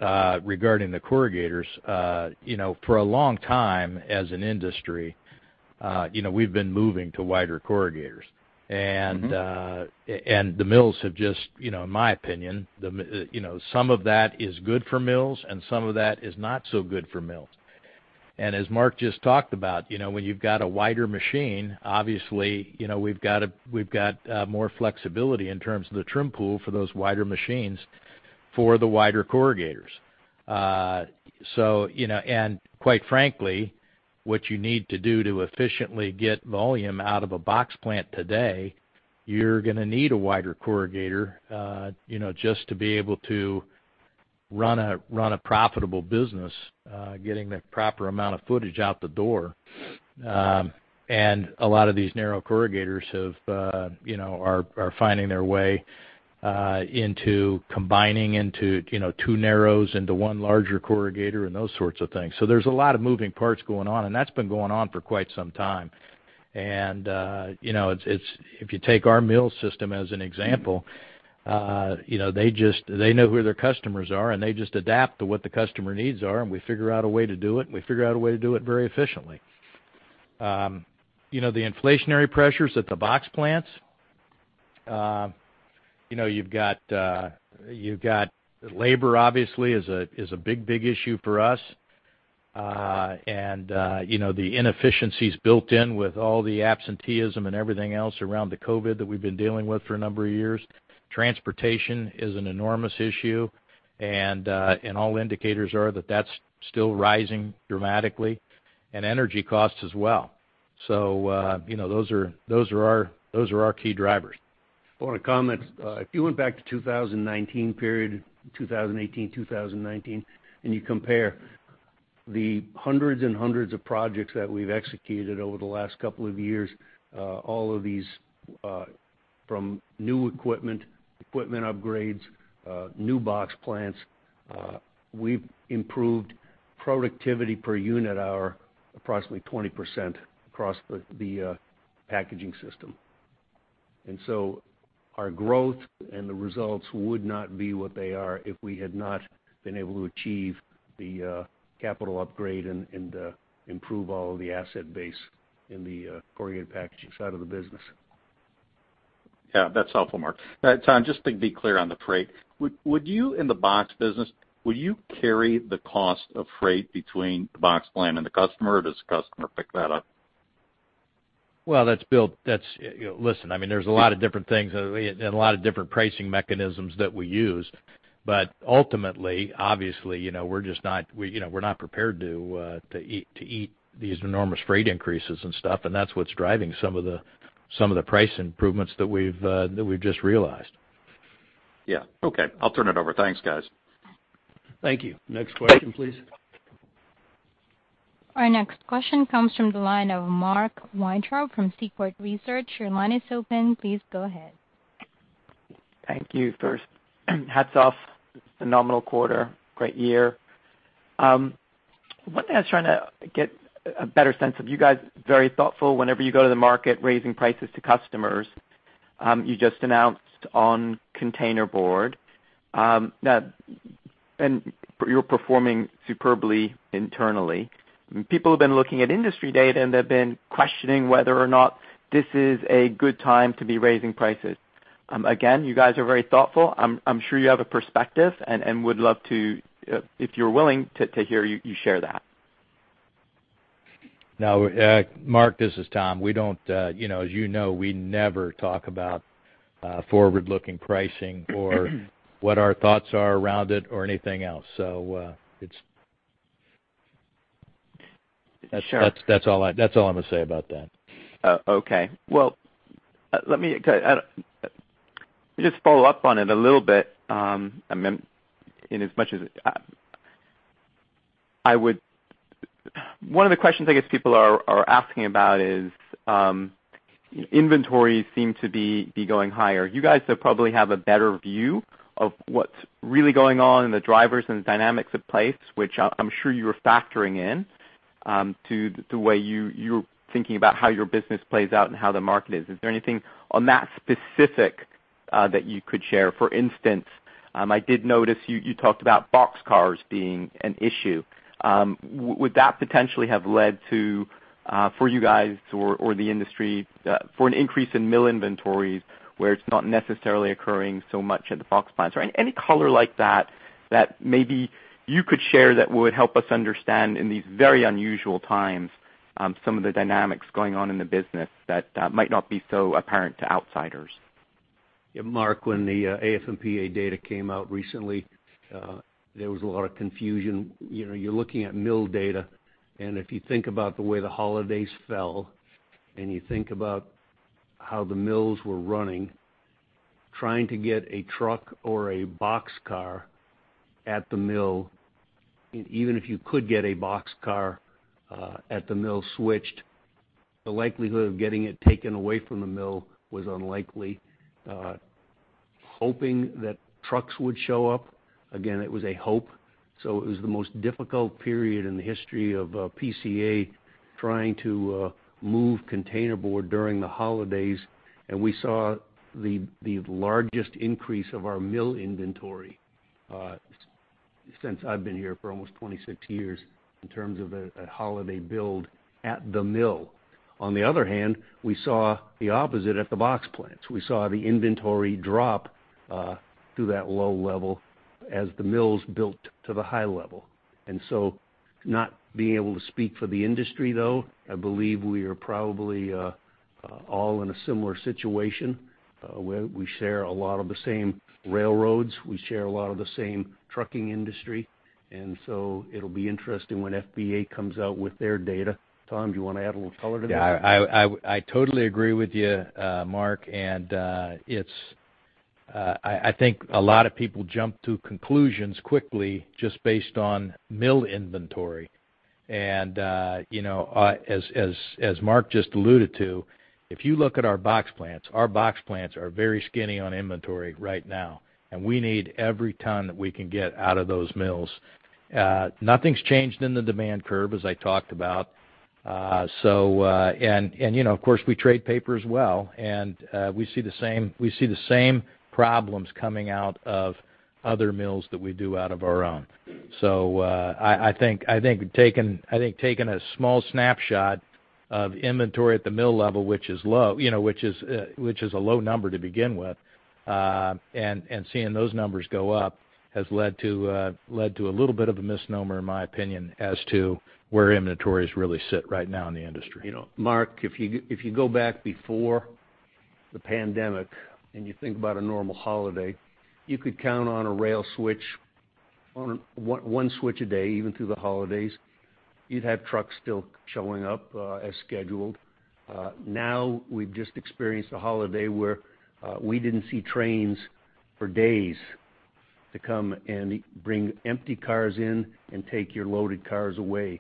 regarding the corrugators. You know, for a long time as an industry, you know, we've been moving to wider corrugators. The mills have just, you know, in my opinion, some of that is good for mills, and some of that is not so good for mills. As Mark just talked about, you know, when you've got a wider machine, obviously, you know, we've got more flexibility in terms of the trim pool for those wider machines, for the wider corrugators. You know, quite frankly, what you need to do to efficiently get volume out of a box plant today, you're gonna need a wider corrugator, you know, just to be able to run a profitable business, getting the proper amount of footage out the door. A lot of these narrow corrugators have, you know, are finding their way into combining into, you know, two narrows into one larger corrugator and those sorts of things. There's a lot of moving parts going on, and that's been going on for quite some time. If you take our mill system as an example, you know, they know who their customers are, and they just adapt to what the customer needs are, and we figure out a way to do it, and we figure out a way to do it very efficiently. You know, the inflationary pressures at the box plants, you know, you've got labor, obviously, is a big issue for us. You know, the inefficiencies built in with all the absenteeism and everything else around the COVID that we've been dealing with for a number of years. Transportation is an enormous issue, and all indicators are that that's still rising dramatically, and energy costs as well. You know, those are our key drivers. I want to comment. If you went back to the 2018-2019 period and you compare the hundreds and hundreds of projects that we've executed over the last couple of years, all of these, from new equipment upgrades, new box plants, we've improved productivity per unit hour approximately 20% across the packaging system. Our growth and the results would not be what they are if we had not been able to achieve the capital upgrade and improve all of the asset base in the corrugated packaging side of the business. That's helpful, Mark. Tom, just to be clear on the freight. Would you, in the box business, will you carry the cost of freight between the box plant and the customer, or does the customer pick that up? Listen, I mean, there's a lot of different things and a lot of different pricing mechanisms that we use. Ultimately, obviously, you know, we're just not prepared to eat these enormous freight increases and stuff, and that's what's driving some of the price improvements that we've just realized. Okay. I'll turn it over. Thanks, guys. Thank you. Next question, please. Our next question comes from the line of Mark Weintraub from Seaport Research. Your line is open. Please go ahead. Thank you. First, hats off. Phenomenal quarter. Great year. One thing I was trying to get a better sense of, you guys very thoughtful whenever you go to the market raising prices to customers. You just announced on containerboard, and you're performing superbly internally. People have been looking at industry data, and they've been questioning whether or not this is a good time to be raising prices. Again, you guys are very thoughtful. I'm sure you have a perspective and would love to, if you're willing, to hear you share that. Now, Mark, this is Tom. We don't, you know, as you know, we never talk about forward-looking pricing or what our thoughts are around it or anything else. That's all I'm gonna say about that. Okay. Well, let me just follow up on it a little bit. I mean, in as much as one of the questions I guess people are asking about is inventories seem to be going higher. You guys probably have a better view of what's really going on and the drivers and dynamics in place, which I'm sure you are factoring in to the way you're thinking about how your business plays out and how the market is. Is there anything on that specific that you could share? For instance, I did notice you talked about boxcars being an issue. Would that potentially have led to for you guys or the industry for an increase in mill inventories where it's not necessarily occurring so much at the box plants? Any color like that that maybe you could share would help us understand in these very unusual times some of the dynamics going on in the business that might not be so apparent to outsiders. Mark, when the AF&PA data came out recently, there was a lot of confusion. You know, you're looking at mill data, and if you think about the way the holidays fell, and you think about how the mills were running, trying to get a truck or a boxcar at the mill, even if you could get a boxcar at the mill switched, the likelihood of getting it taken away from the mill was unlikely. Hoping that trucks would show up, again, it was a hope, so it was the most difficult period in the history of PCA trying to move containerboard during the holidays. We saw the largest increase of our mill inventory since I've been here for almost 26 years, in terms of a holiday build at the mill. On the other hand, we saw the opposite at the box plants. We saw the inventory drop to that low level as the mills built to the high level. Not being able to speak for the industry, though, I believe we are probably all in a similar situation, where we share a lot of the same railroads, we share a lot of the same trucking industry, and so it'll be interesting when FBA comes out with their data. Tom, do you wanna add a little color to that? I totally agree with you, Mark, and I think a lot of people jump to conclusions quickly just based on mill inventory. You know, as Mark just alluded to, if you look at our box plants, they are very skinny on inventory right now, and we need every ton that we can get out of those mills. Nothing's changed in the demand curve, as I talked about. You know, of course, we trade paper as well, and we see the same problems coming out of other mills that we do out of our own. I think taking a small snapshot of inventory at the mill level, which is low, you know, which is a low number to begin with, and seeing those numbers go up has led to a little bit of a misnomer, in my opinion, as to where inventories really sit right now in the industry. You know, Mark, if you go back before the pandemic and you think about a normal holiday, you could count on a rail switch, on one switch a day, even through the holidays. You'd have trucks still showing up as scheduled. Now we've just experienced a holiday where we didn't see trains for days to come and bring empty cars in and take your loaded cars away.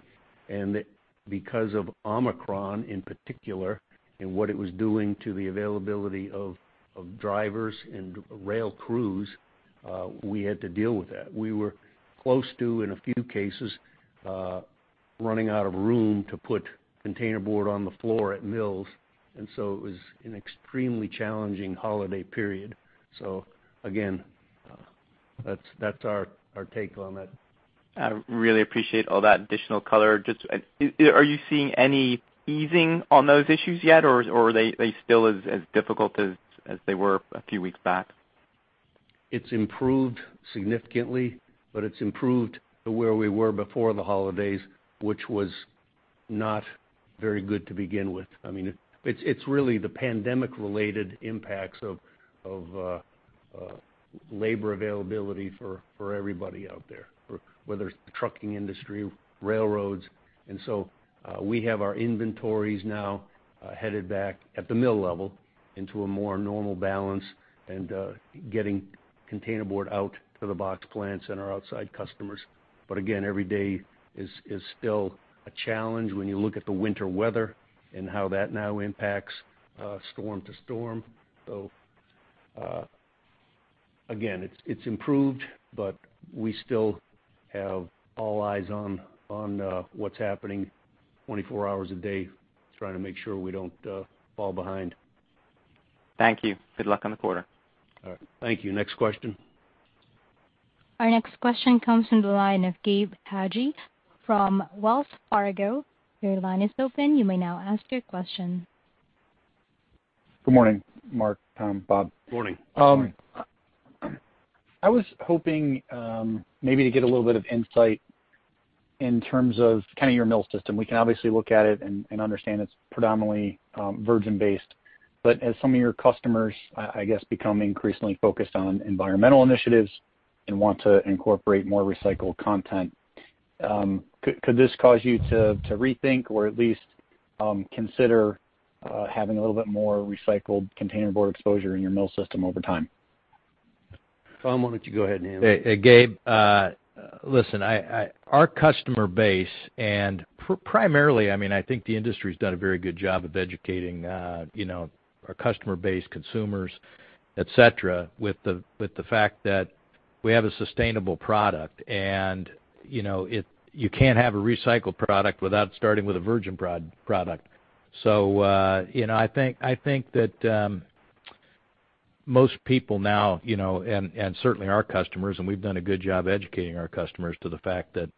Because of Omicron in particular, and what it was doing to the availability of drivers and rail crews, we had to deal with that. We were close to, in a few cases, running out of room to put containerboard on the floor at mills, and so it was an extremely challenging holiday period. Again, that's our take on that. I really appreciate all that additional color. Are you seeing any easing on those issues yet or are they still as difficult as they were a few weeks back? It's improved significantly, but it's improved to where we were before the holidays, which was not very good to begin with. I mean, it's really the pandemic related impacts of labor availability for everybody out there, for whether it's the trucking industry, railroads. We have our inventories now headed back at the mill level into a more normal balance and getting containerboard out to the box plants and our outside customers. Again, every day is still a challenge when you look at the winter weather and how that now impacts storm to storm. Again, it's improved, but we still have all eyes on what's happening 24 hours a day, trying to make sure we don't fall behind. Thank you. Good luck on the quarter. All right. Thank you. Next question. Our next question comes from the line of Gabe Hajde from Wells Fargo. Your line is open. You may now ask your question. Good morning, Mark, Tom, Bob. Morning. Morning. I was hoping maybe to get a little bit of insight in terms of kind of your mill system. We can obviously look at it and understand it's predominantly virgin based. But as some of your customers, I guess, become increasingly focused on environmental initiatives and want to incorporate more recycled content, could this cause you to rethink or at least consider having a little bit more recycled containerboard exposure in your mill system over time? Tom, why don't you go ahead and handle that? Gabe, listen, our customer base and primarily, I mean, I think the industry's done a very good job of educating, you know, our customer base consumers, et cetera, with the fact that we have a sustainable product. You know, you can't have a recycled product without starting with a virgin product. You know, I think that most people now, you know, and certainly our customers, and we've done a good job educating our customers to the fact that,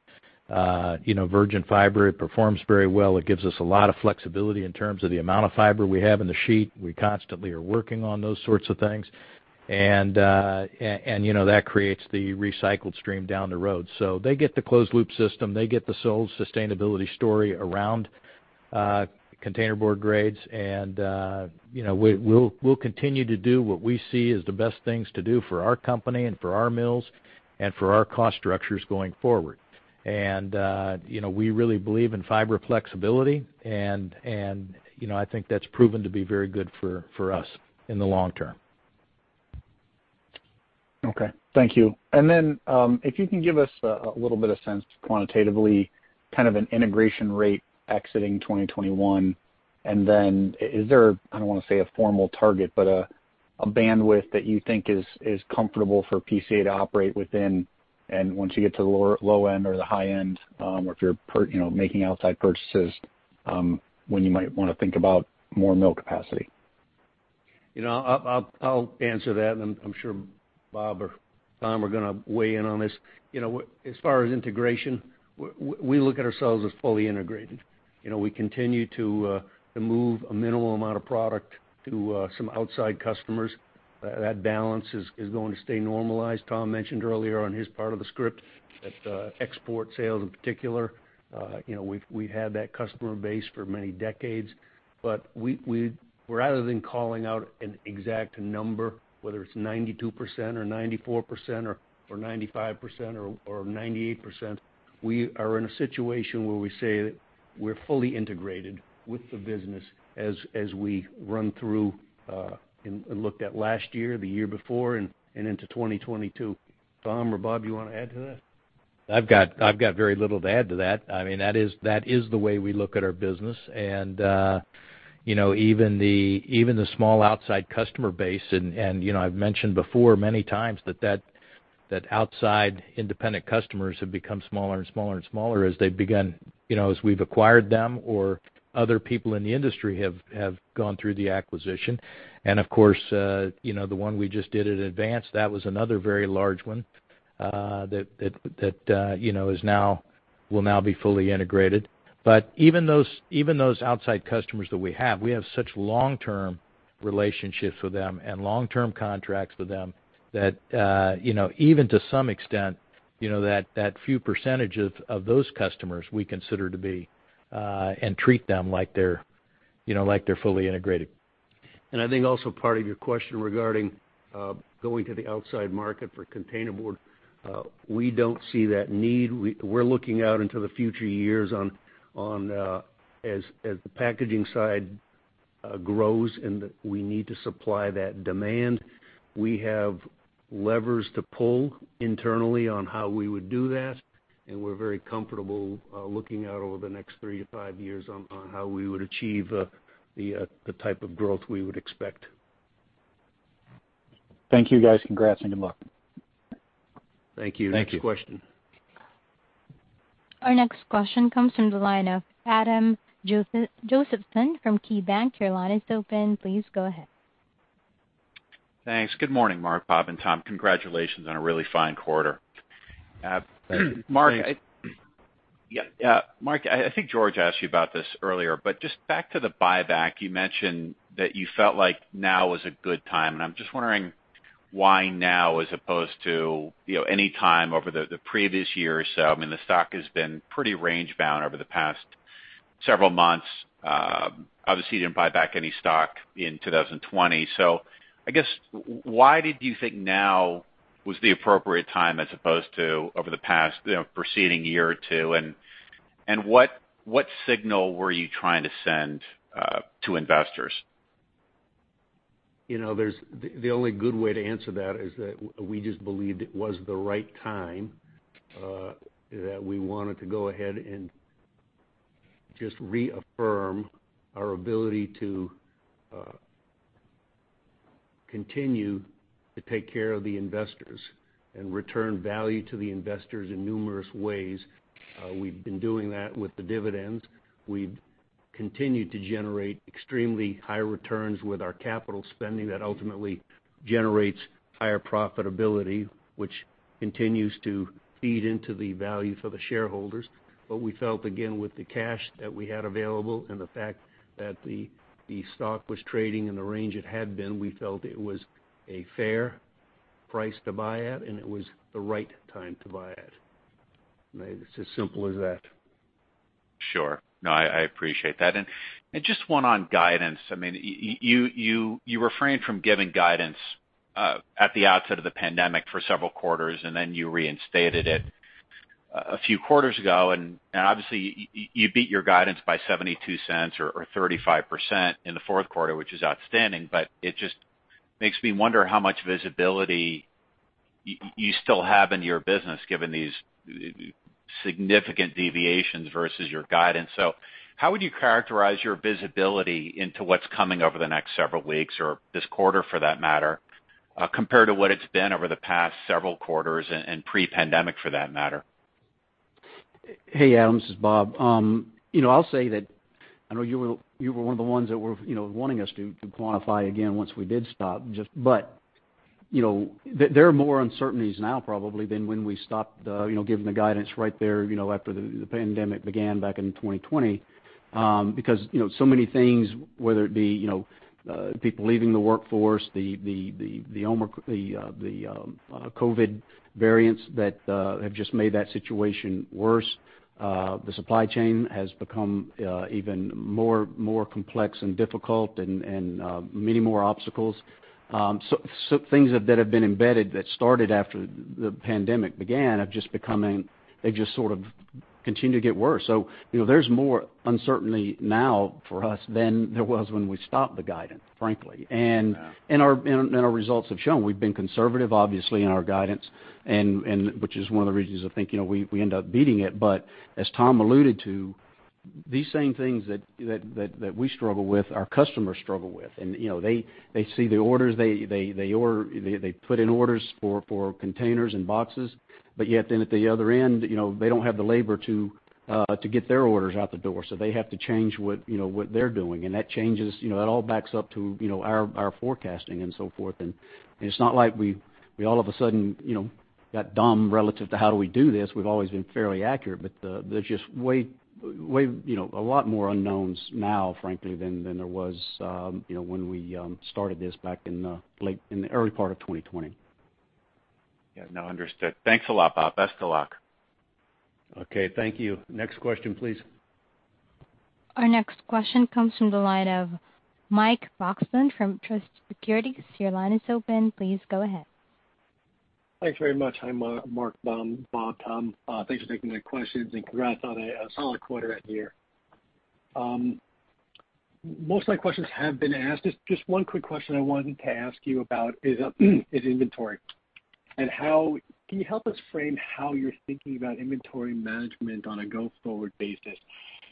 you know, virgin fiber, it performs very well. It gives us a lot of flexibility in terms of the amount of fiber we have in the sheet. We constantly are working on those sorts of things. You know, that creates the recycled stream down the road. They get the closed loop system, they get the whole sustainability story around containerboard grades. You know, we'll continue to do what we see as the best things to do for our company and for our mills and for our cost structures going forward. You know, we really believe in fiber flexibility, and you know, I think that's proven to be very good for us in the long term. Okay. Thank you. If you can give us a little bit of sense quantitatively kind of an integration rate exiting 2021. Is there, I don't wanna say a formal target, but a bandwidth that you think is comfortable for PCA to operate within? Once you get to the low end or the high end, or if you're you know, making outside purchases, when you might wanna think about more mill capacity. You know, I'll answer that, and I'm sure Bob or Tom are gonna weigh in on this. You know, as far as integration, we look at ourselves as fully integrated. You know, we continue to move a minimal amount of product to some outside customers. That balance is going to stay normalized. Tom mentioned earlier on his part of the script that export sales in particular, you know, we've had that customer base for many decades. Rather than calling out an exact number, whether it's 92% or 94% or 95% or 98%, we are in a situation where we say that we're fully integrated with the business as we run through and looked at last year, the year before, and into 2022. Tom or Bob, you wanna add to that? I've got very little to add to that. I mean, that is the way we look at our business. You know, even the small outside customer base, and you know, I've mentioned before many times that outside independent customers have become smaller and smaller and smaller as they've begun, you know, as we've acquired them or other people in the industry have gone through the acquisition. Of course, you know, the one we just did at Advance, that was another very large one, that you know, will now be fully integrated. Even those outside customers that we have, we have such long-term relationships with them and long-term contracts with them that, you know, even to some extent, you know, that few percentage of those customers we consider to be and treat them like they're, you know, like they're fully integrated. I think also part of your question regarding going to the outside market for containerboard, we don't see that need. We're looking out into the future years on as the packaging side grows and that we need to supply that demand. We have levers to pull internally on how we would do that, and we're very comfortable looking out over the next 3-5 years on how we would achieve the type of growth we would expect. Thank you, guys. Congrats and good luck. Thank you. Thank you. Next question. Our next question comes from the line of Adam Josephson from KeyBanc. Your line is open. Please go ahead. Thanks. Good morning, Mark, Bob and Tom. Congratulations on a really fine quarter. Mark, I think George asked you about this earlier, but just back to the buyback, you mentioned that you felt like now was a good time, and I'm just wondering why now, as opposed to, you know, any time over the previous year or so. I mean, the stock has been pretty range-bound over the past several months. Obviously you didn't buy back any stock in 2020. I guess why did you think now was the appropriate time as opposed to over the past, you know, preceding year or two? And what signal were you trying to send to investors? The only good way to answer that is that we just believed it was the right time, that we wanted to go ahead and just reaffirm our ability to continue to take care of the investors and return value to the investors in numerous ways. We've been doing that with the dividends. We've continued to generate extremely high returns with our capital spending that ultimately generates higher profitability, which continues to feed into the value for the shareholders. We felt, again, with the cash that we had available and the fact that the stock was trading in the range it had been, we felt it was a fair price to buy at, and it was the right time to buy at. I mean, it's as simple as that. Sure. No, I appreciate that. Just one on guidance. I mean, you refrained from giving guidance at the outset of the pandemic for several quarters, and then you reinstated it a few quarters ago. Obviously you beat your guidance by $0.72 or 35% in the fourth quarter, which is outstanding. It just makes me wonder how much visibility you still have in your business given these significant deviations versus your guidance. How would you characterize your visibility into what's coming over the next several weeks or this quarter for that matter, compared to what it's been over the past several quarters and pre-pandemic for that matter? Adam, this is Bob. I'll say that I know you were one of the ones that were you know wanting us to quantify again once we did stop. You know, there are more uncertainties now probably than when we stopped you know giving the guidance right there you know after the pandemic began back in 2020. Because you know so many things, whether it be you know people leaving the workforce, the Omicron COVID variants that have just made that situation worse. The supply chain has become even more complex and difficult and many more obstacles. Things that have been embedded that started after the pandemic began—they've just sort of continued to get worse. You know, there's more uncertainty now for us than there was when we stopped the guidance, frankly. Our results have shown. We've been conservative, obviously, in our guidance and which is one of the reasons I think, you know, we end up beating it. But as Tom alluded to, these same things that we struggle with, our customers struggle with. You know, they see the orders, they order, they put in orders for containers and boxes. But yet then at the other end, you know, they don't have the labor to get their orders out the door, so they have to change what they're doing. And that changes, you know, that all backs up to our forecasting and so forth. It's not like we all of a sudden, you know, got dumb relative to how do we do this. We've always been fairly accurate, but there's just way, you know, a lot more unknowns now, frankly, than there was, you know, when we started this back in the early part of 2020. Yeah, no, understood. Thanks a lot, Bob. Best of luck. Okay. Thank you. Next question, please. Our next question comes from the line of Mike Roxland from Truist Securities. Your line is open. Please go ahead. Thanks very much. Hi, Mark, Bob, Tom, thanks for taking my questions, and congrats on a solid quarter end year. Most of my questions have been asked. Just one quick question I wanted to ask you about is inventory and can you help us frame how you're thinking about inventory management on a go-forward basis?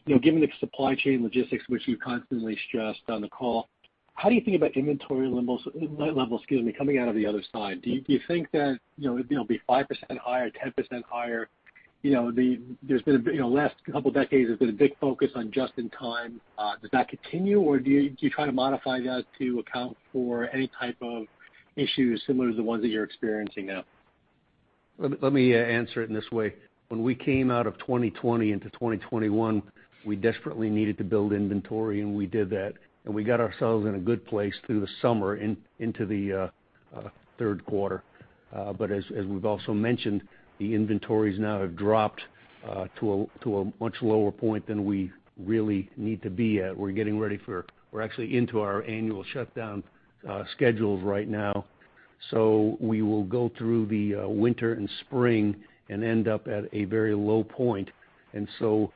You know, given the supply chain logistics, which you constantly stressed on the call, how do you think about inventory levels, excuse me, coming out of the other side? Do you think that, you know, it'll be 5% higher, 10% higher? You know, There's been a, you know, last couple decades, there's been a big focus on just in time. Does that continue, or do you try to modify that to account for any type of issues similar to the ones that you're experiencing now? Let me answer it in this way. When we came out of 2020 into 2021, we desperately needed to build inventory, and we did that. We got ourselves in a good place through the summer into the third quarter. As we've also mentioned, the inventories now have dropped to a much lower point than we really need to be at. We're getting ready for— We're actually into our annual shutdown schedules right now. We will go through the winter and spring and end up at a very low point. I'm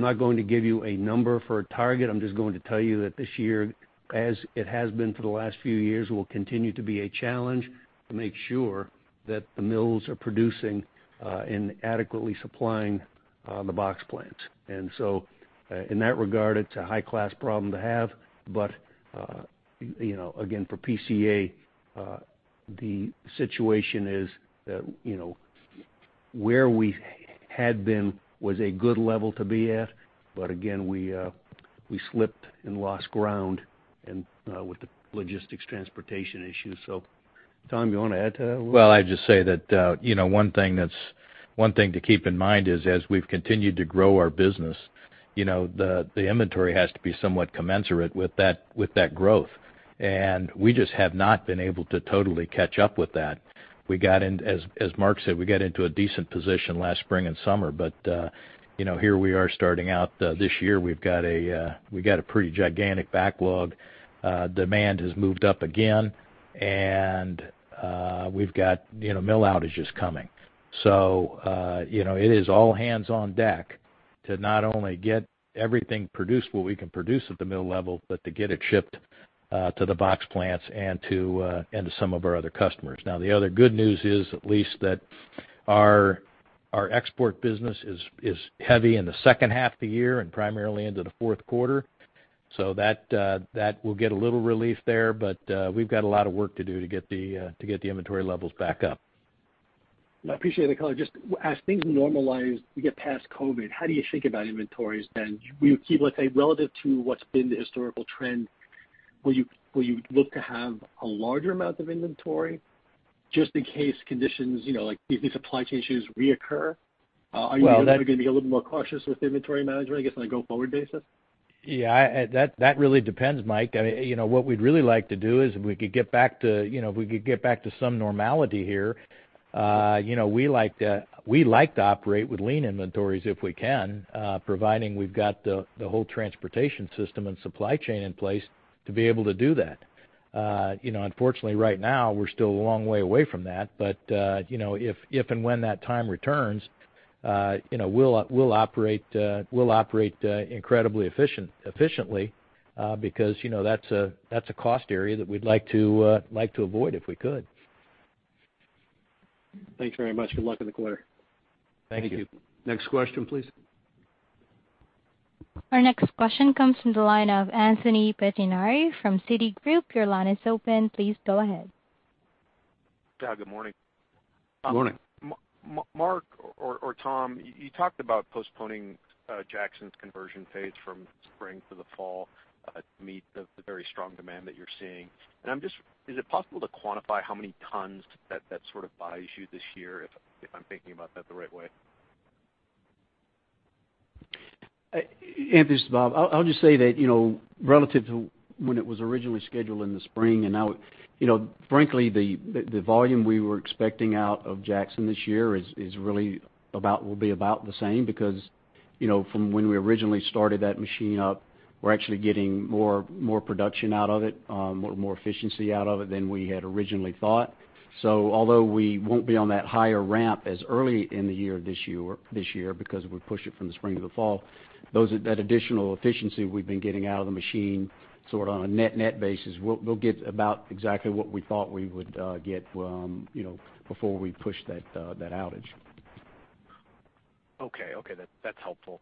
not going to give you a number for a target. I'm just going to tell you that this year, as it has been for the last few years, will continue to be a challenge to make sure that the mills are producing and adequately supplying the box plants. In that regard, it's a high-class problem to have. You know, again, for PCA, the situation is, you know, where we had been was a good level to be at. Again, we slipped and lost ground with the logistics transportation issues. Tom, you wanna add to that? Well, I'd just say that, you know, one thing to keep in mind is, as we've continued to grow our business, you know, the inventory has to be somewhat commensurate with that growth. We just have not been able to totally catch up with that. As Mark said, we got into a decent position last spring and summer. Here we are starting out this year, we've got a pretty gigantic backlog. Demand has moved up again, and we've got, you know, mill outages coming. You know, it is all hands on deck to not only get everything produced what we can produce at the mill level, but to get it shipped to the box plants and to some of our other customers. Now, the other good news is at least that our export business is heavy in the second half of the year and primarily into the fourth quarter. That will get a little relief there, but we've got a lot of work to do to get the inventory levels back up. I appreciate the color. Just as things normalize, we get past COVID, how do you think about inventories then? Will you keep, let's say, relative to what's been the historical trend, will you look to have a larger amount of inventory just in case conditions, you know, like these supply chain issues reoccur? Are you gonna be a little more cautious with inventory management, I guess, on a go-forward basis? That really depends, Mike. I mean, you know, what we'd really like to do is if we could get back to some normality here, you know, we like to operate with lean inventories if we can, providing we've got the whole transportation system and supply chain in place to be able to do that. You know, unfortunately right now, we're still a long way away from that. You know, if and when that time returns, you know, we'll operate incredibly efficiently, because, you know, that's a cost area that we'd like to avoid if we could. Thanks very much. Good luck in the quarter. Thank you. Thank you. Next question, please. Our next question comes from the line of Anthony Pettinari from Citigroup. Your line is open. Please go ahead. Yeah, good morning. Good morning. Mark or Tom, you talked about postponing Jackson's conversion phase from spring to the fall to meet the very strong demand that you're seeing. I'm just—is it possible to quantify how many tons that sort of buys you this year, if I'm thinking about that the right way? Anthony, this is Bob. I'll just say that, you know, relative to when it was originally scheduled in the spring and now, you know, frankly, the volume we were expecting out of Jackson this year is really about, will be about the same because, you know, from when we originally started that machine up, we're actually getting more production out of it, more efficiency out of it than we had originally thought. Although we won't be on that higher ramp as early in the year this year because we pushed it from the spring to the fall, that additional efficiency we've been getting out of the machine, sort of on a net-net basis, we'll get about exactly what we thought we would get from, you know, before we pushed that outage. Okay, okay. That's helpful.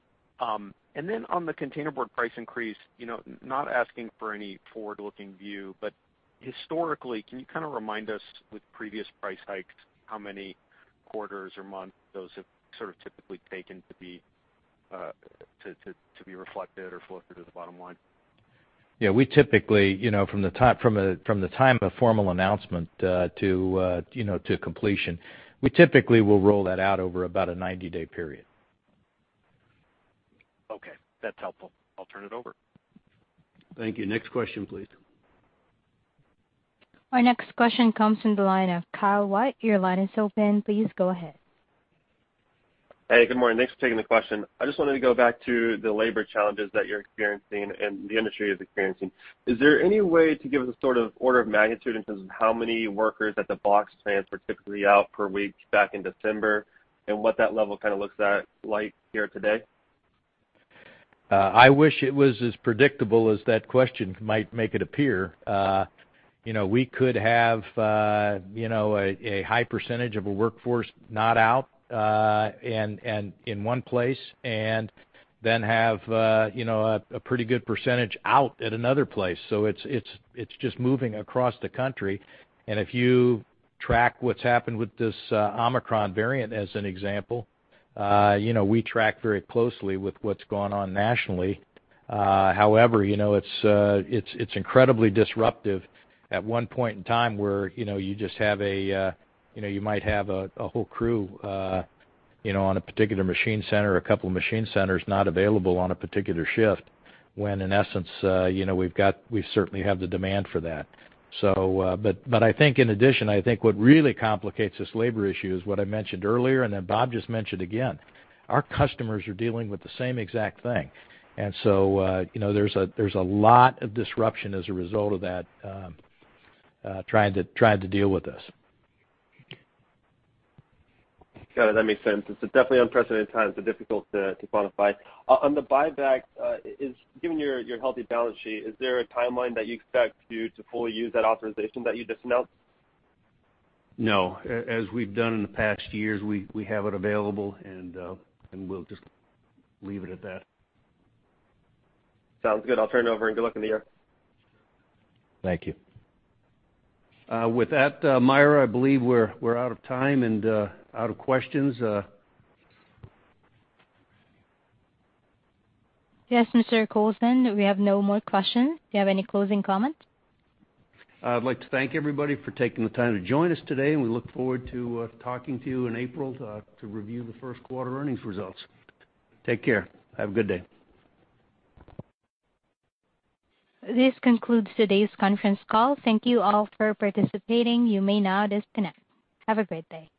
Then on the containerboard price increase, you know, not asking for any forward-looking view, but historically, can you kind of remind us with previous price hikes, how many quarters or months those have sort of typically taken to be reflected or flow through to the bottom line? We typically, you know, from the time of formal announcement to, you know, to completion, we typically will roll that out over about a 90-day period. Okay, that's helpful. I'll turn it over. Thank you. Next question, please. Our next question comes from the line of Kyle White. Your line is open. Please go ahead. Good morning. Thanks for taking the question. I just wanted to go back to the labor challenges that you're experiencing and the industry is experiencing. Is there any way to give us a sort of order of magnitude in terms of how many workers at the box plants were typically out per week back in December and what that level kind of looks like here today? I wish it was as predictable as that question might make it appear. You know, we could have you know, a high percentage of a workforce not out and in one place, and then have you know, a pretty good percentage out at another place. It's just moving across the country. If you track what's happened with this Omicron variant, as an example, you know, we track very closely with what's gone on nationally. However, you know, it's incredibly disruptive at one point in time where, you know, you just have a, you know, you might have a whole crew, you know, on a particular machine center or a couple of machine centers not available on a particular shift when, in essence, you know, we certainly have the demand for that. But, but I think in addition, I think what really complicates this labor issue is what I mentioned earlier, and then Bob just mentioned again. Our customers are dealing with the same exact thing. You know, there's a lot of disruption as a result of that, trying to deal with this. Got it. That makes sense. It's definitely unprecedented times, but difficult to quantify. On the buyback, given your healthy balance sheet, is there a timeline that you expect to fully use that authorization that you just announced? No. As we've done in the past years, we have it available and we'll just leave it at that. Sounds good. I'll turn it over and good luck in the year. Thank you. With that, Myra, I believe we're out of time and out of questions. Yes, Mr. Kowlzan, we have no more questions. Do you have any closing comments? I'd like to thank everybody for taking the time to join us today, and we look forward to talking to you in April to review the first quarter earnings results. Take care. Have a good day. This concludes today's conference call. Thank you all for participating. You may now disconnect. Have a great day.